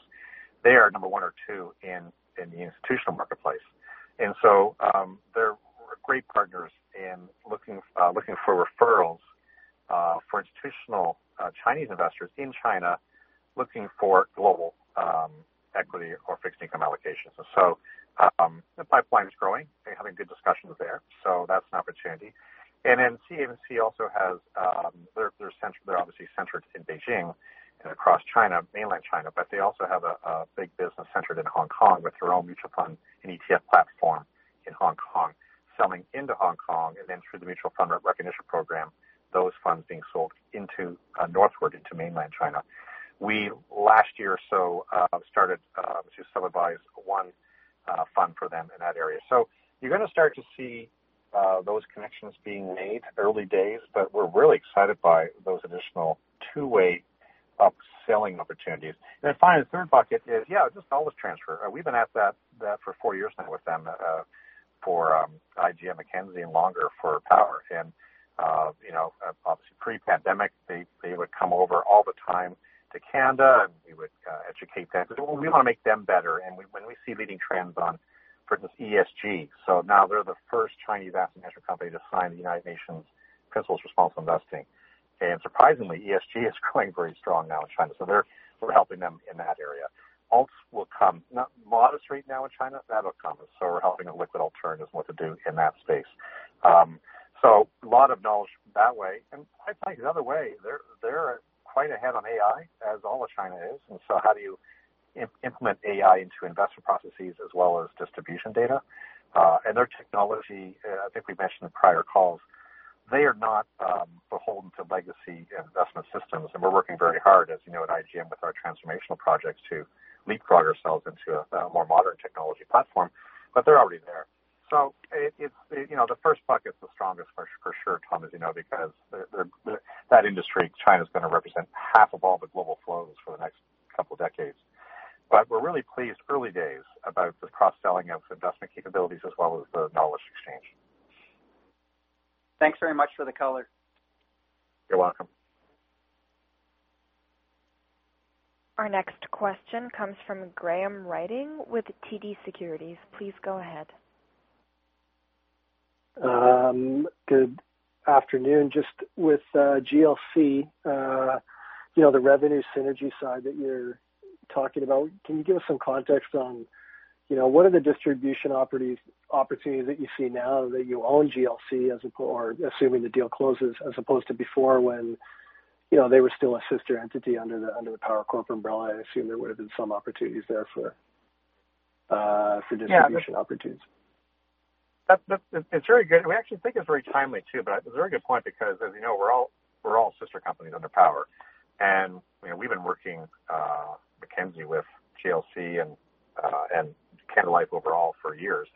They are number one or two in the institutional marketplace, and so, they're great partners in looking for referrals for institutional Chinese investors in China, looking for global equity or fixed income allocations. So, the pipeline is growing. We're having good discussions there, so that's an opportunity. And then CMC also has... They're obviously centered in Beijing and across China, mainland China, but they also have a big business centered in Hong Kong with their own mutual fund and ETF platform in Hong Kong, selling into Hong Kong and then through the mutual fund recognition program, those funds being sold into northward into mainland China.... We last year or so started to sell advise one fund for them in that area. So you're going to start to see those connections being made. Early days, but we're really excited by those additional two-way upselling opportunities. And then finally, the third bucket is, yeah, just knowledge transfer. We've been at that for four years now with them for IGM Mackenzie, and longer for Power. And you know, obviously pre-pandemic, they would come over all the time to Canada, and we would educate them. We want to make them better. And when we see leading trends on, for instance, ESG. So now they're the first Chinese asset management company to sign the United Nations Principles for Responsible Investing. And surprisingly, ESG is growing very strong now in China, so we're helping them in that area. Alts will come. Not modest rate now in China. That'll come. So we're helping with liquid alternatives and what to do in that space. So a lot of knowledge that way, and quite frankly, another way, they're quite ahead on AI, as all of China is. And so how do you implement AI into investment processes as well as distribution data? And their technology, I think we mentioned in prior calls, they are not beholden to legacy investment systems. And we're working very hard, as you know, at IGM with our transformational projects, to leapfrog ourselves into a more modern technology platform. But they're already there. So it's, you know, the first bucket's the strongest for sure, Tom, as you know, because the... That industry, China, is going to represent half of all the global flows for the next couple decades. But we're really pleased, early days, about the cross-selling of investment capabilities as well as the knowledge exchange. Thanks very much for the color. You're welcome. Our next question comes from Graham Ryding with TD Securities. Please go ahead. Good afternoon. Just with GLC, you know, the revenue synergy side that you're talking about, can you give us some context on, you know, what are the distribution opportunities that you see now that you own GLC as opposed, or assuming the deal closes, as opposed to before when, you know, they were still a sister entity under the Power Corp. umbrella? I assume there would have been some opportunities there for distribution opportunities. Yeah. That, it's very good. We actually think it's very timely, too, but it's a very good point because, as you know, we're all sister companies under Power, and, you know, we've been working Mackenzie with GLC and Canada Life overall for years.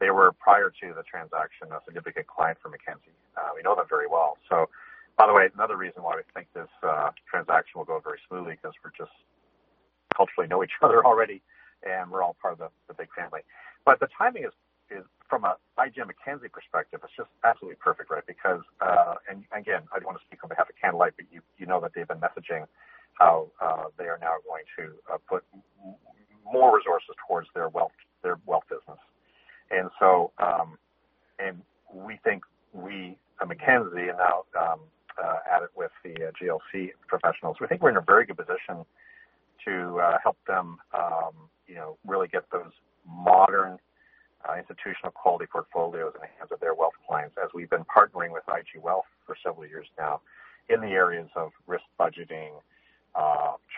They were, prior to the transaction, a significant client for Mackenzie. We know them very well. So by the way, another reason why we think this transaction will go very smoothly, because we're just culturally know each other already, and we're all part of the big family. But the timing is from a IGM Mackenzie perspective, it's just absolutely perfect, right? Because, and again, I don't want to speak on behalf of Canada Life, but you know that they've been messaging how they are now going to put more resources towards their wealth, their wealth business. And so, and we think we, at Mackenzie, and now at it with the GLC professionals, we think we're in a very good position to help them, you know, really get those modern institutional quality portfolios in the hands of their wealth clients, as we've been partnering with IG Wealth for several years now in the areas of risk budgeting,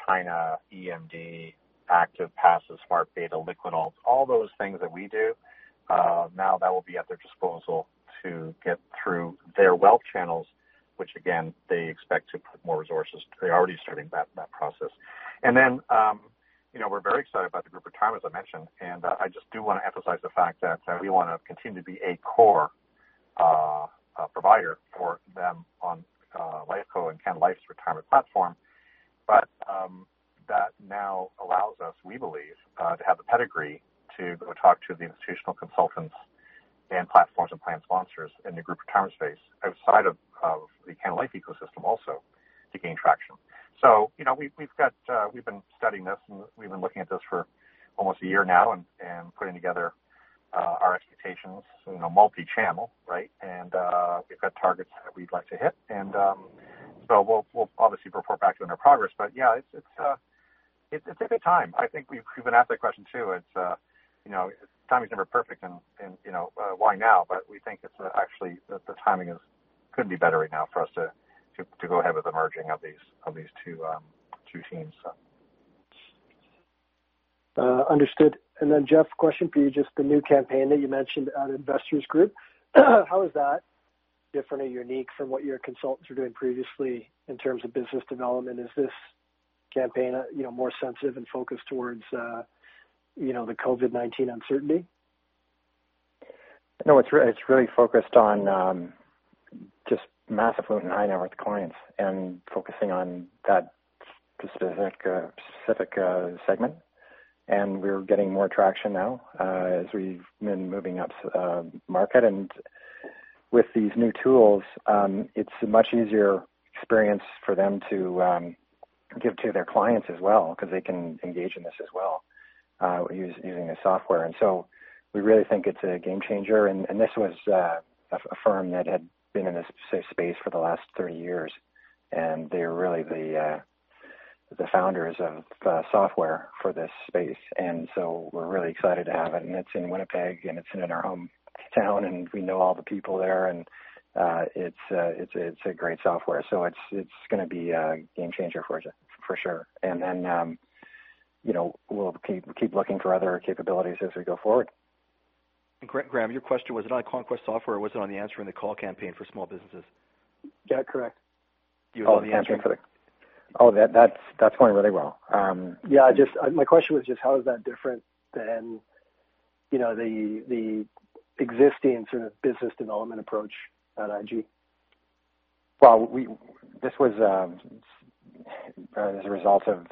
China, EMD, active, passive, smart beta, liquid alts. All those things that we do now that will be at their disposal to get through their wealth channels, which again, they expect to put more resources. They're already starting that process. And then, you know, we're very excited about the group retirement, as I mentioned, and I just do want to emphasize the fact that we want to continue to be a core provider for them on Lifeco and Canada Life's retirement platform. But that now allows us, we believe, to have the pedigree to go talk to the institutional consultants and platforms and plan sponsors in the group retirement space outside of the Canada Life ecosystem also to gain traction. So, you know, we've got, we've been studying this, and we've been looking at this for almost a year now and putting together our expectations, you know, multi-channel, right? And so we'll obviously report back to you on our progress. But yeah, it's a good time. I think we've been asked that question, too. It's you know, timing is never perfect, and you know, why now? But we think it's actually the timing couldn't be better right now for us to go ahead with the merging of these two teams, so. Understood. And then, Jeff, question for you. Just the new campaign that you mentioned at Investors Group, how is that different or unique from what your consultants were doing previously in terms of business development? Is this campaign, you know, more sensitive and focused towards, you know, the COVID-19 uncertainty? No, it's really focused on just massive wealth and high-net-worth clients and focusing on that specific segment. And we're getting more traction now as we've been moving up market. And with these new tools, it's a much easier experience for them to give to their clients as well, because they can engage in this as well using the software. And so we really think it's a game changer. And this was a firm that had been in this space for the last 30 years, and they're really the founders of the software for this space. And so we're really excited to have it. It's in Winnipeg, and it's in our hometown, and we know all the people there, and it's a great software, so it's going to be a game changer for us for sure. And then, you know, we'll keep looking for other capabilities as we go forward. ... Graham, your question was it on Conquest Planning or was it on the Answering the Call campaign for small businesses? Yeah, correct. You call the answering for the- Oh, that's going really well. Yeah, I just, my question was just how is that different than, you know, the, the existing sort of business development approach at IG? Well, this was as a result of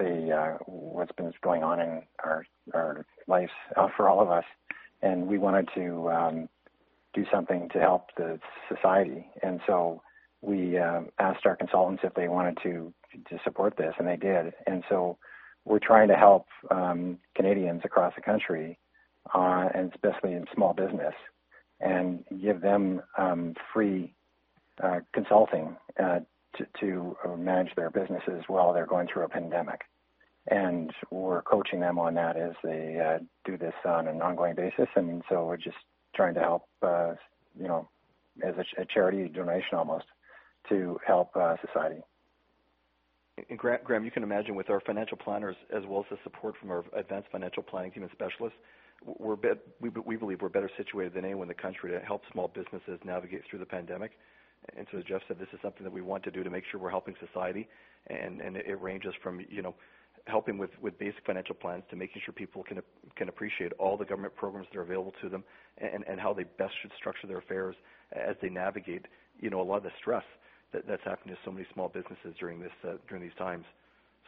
what's been going on in our lives for all of us, and we wanted to do something to help the society. And so we asked our consultants if they wanted to support this, and they did. And so we're trying to help Canadians across the country, and especially in small business, and give them free consulting to manage their businesses while they're going through a pandemic. And we're coaching them on that as they do this on an ongoing basis. And so we're just trying to help, you know, as a charity donation almost to help society. And Graham, Graham, you can imagine with our financial planners as well as the support from our advanced financial planning team and specialists, we believe we're better situated than anyone in the country to help small businesses navigate through the pandemic. And so as Jeff said, this is something that we want to do to make sure we're helping society. And it ranges from, you know, helping with basic financial plans to making sure people can appreciate all the government programs that are available to them and how they best should structure their affairs as they navigate, you know, a lot of the stress that's happened to so many small businesses during this, during these times.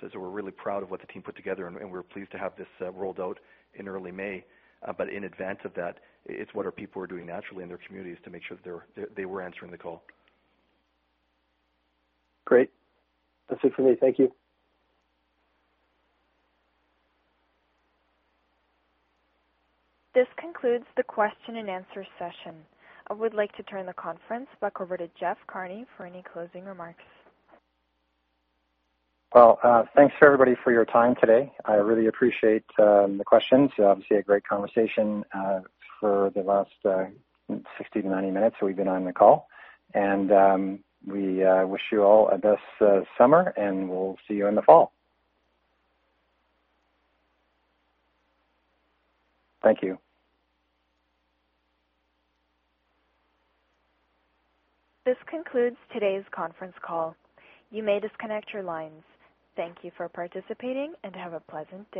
So we're really proud of what the team put together, and we're pleased to have this rolled out in early May. But in advance of that, it's what our people are doing naturally in their communities to make sure that they were Answering the Call. Great. That's it for me. Thank you. This concludes the question and answer session. I would like to turn the conference back over to Jeff Carney for any closing remarks. Well, thanks, everybody, for your time today. I really appreciate the questions. Obviously, a great conversation for the last 60-90 minutes we've been on the call. And we wish you all the best summer, and we'll see you in the fall. Thank you. This concludes today's conference call. You may disconnect your lines. Thank you for participating and have a pleasant day.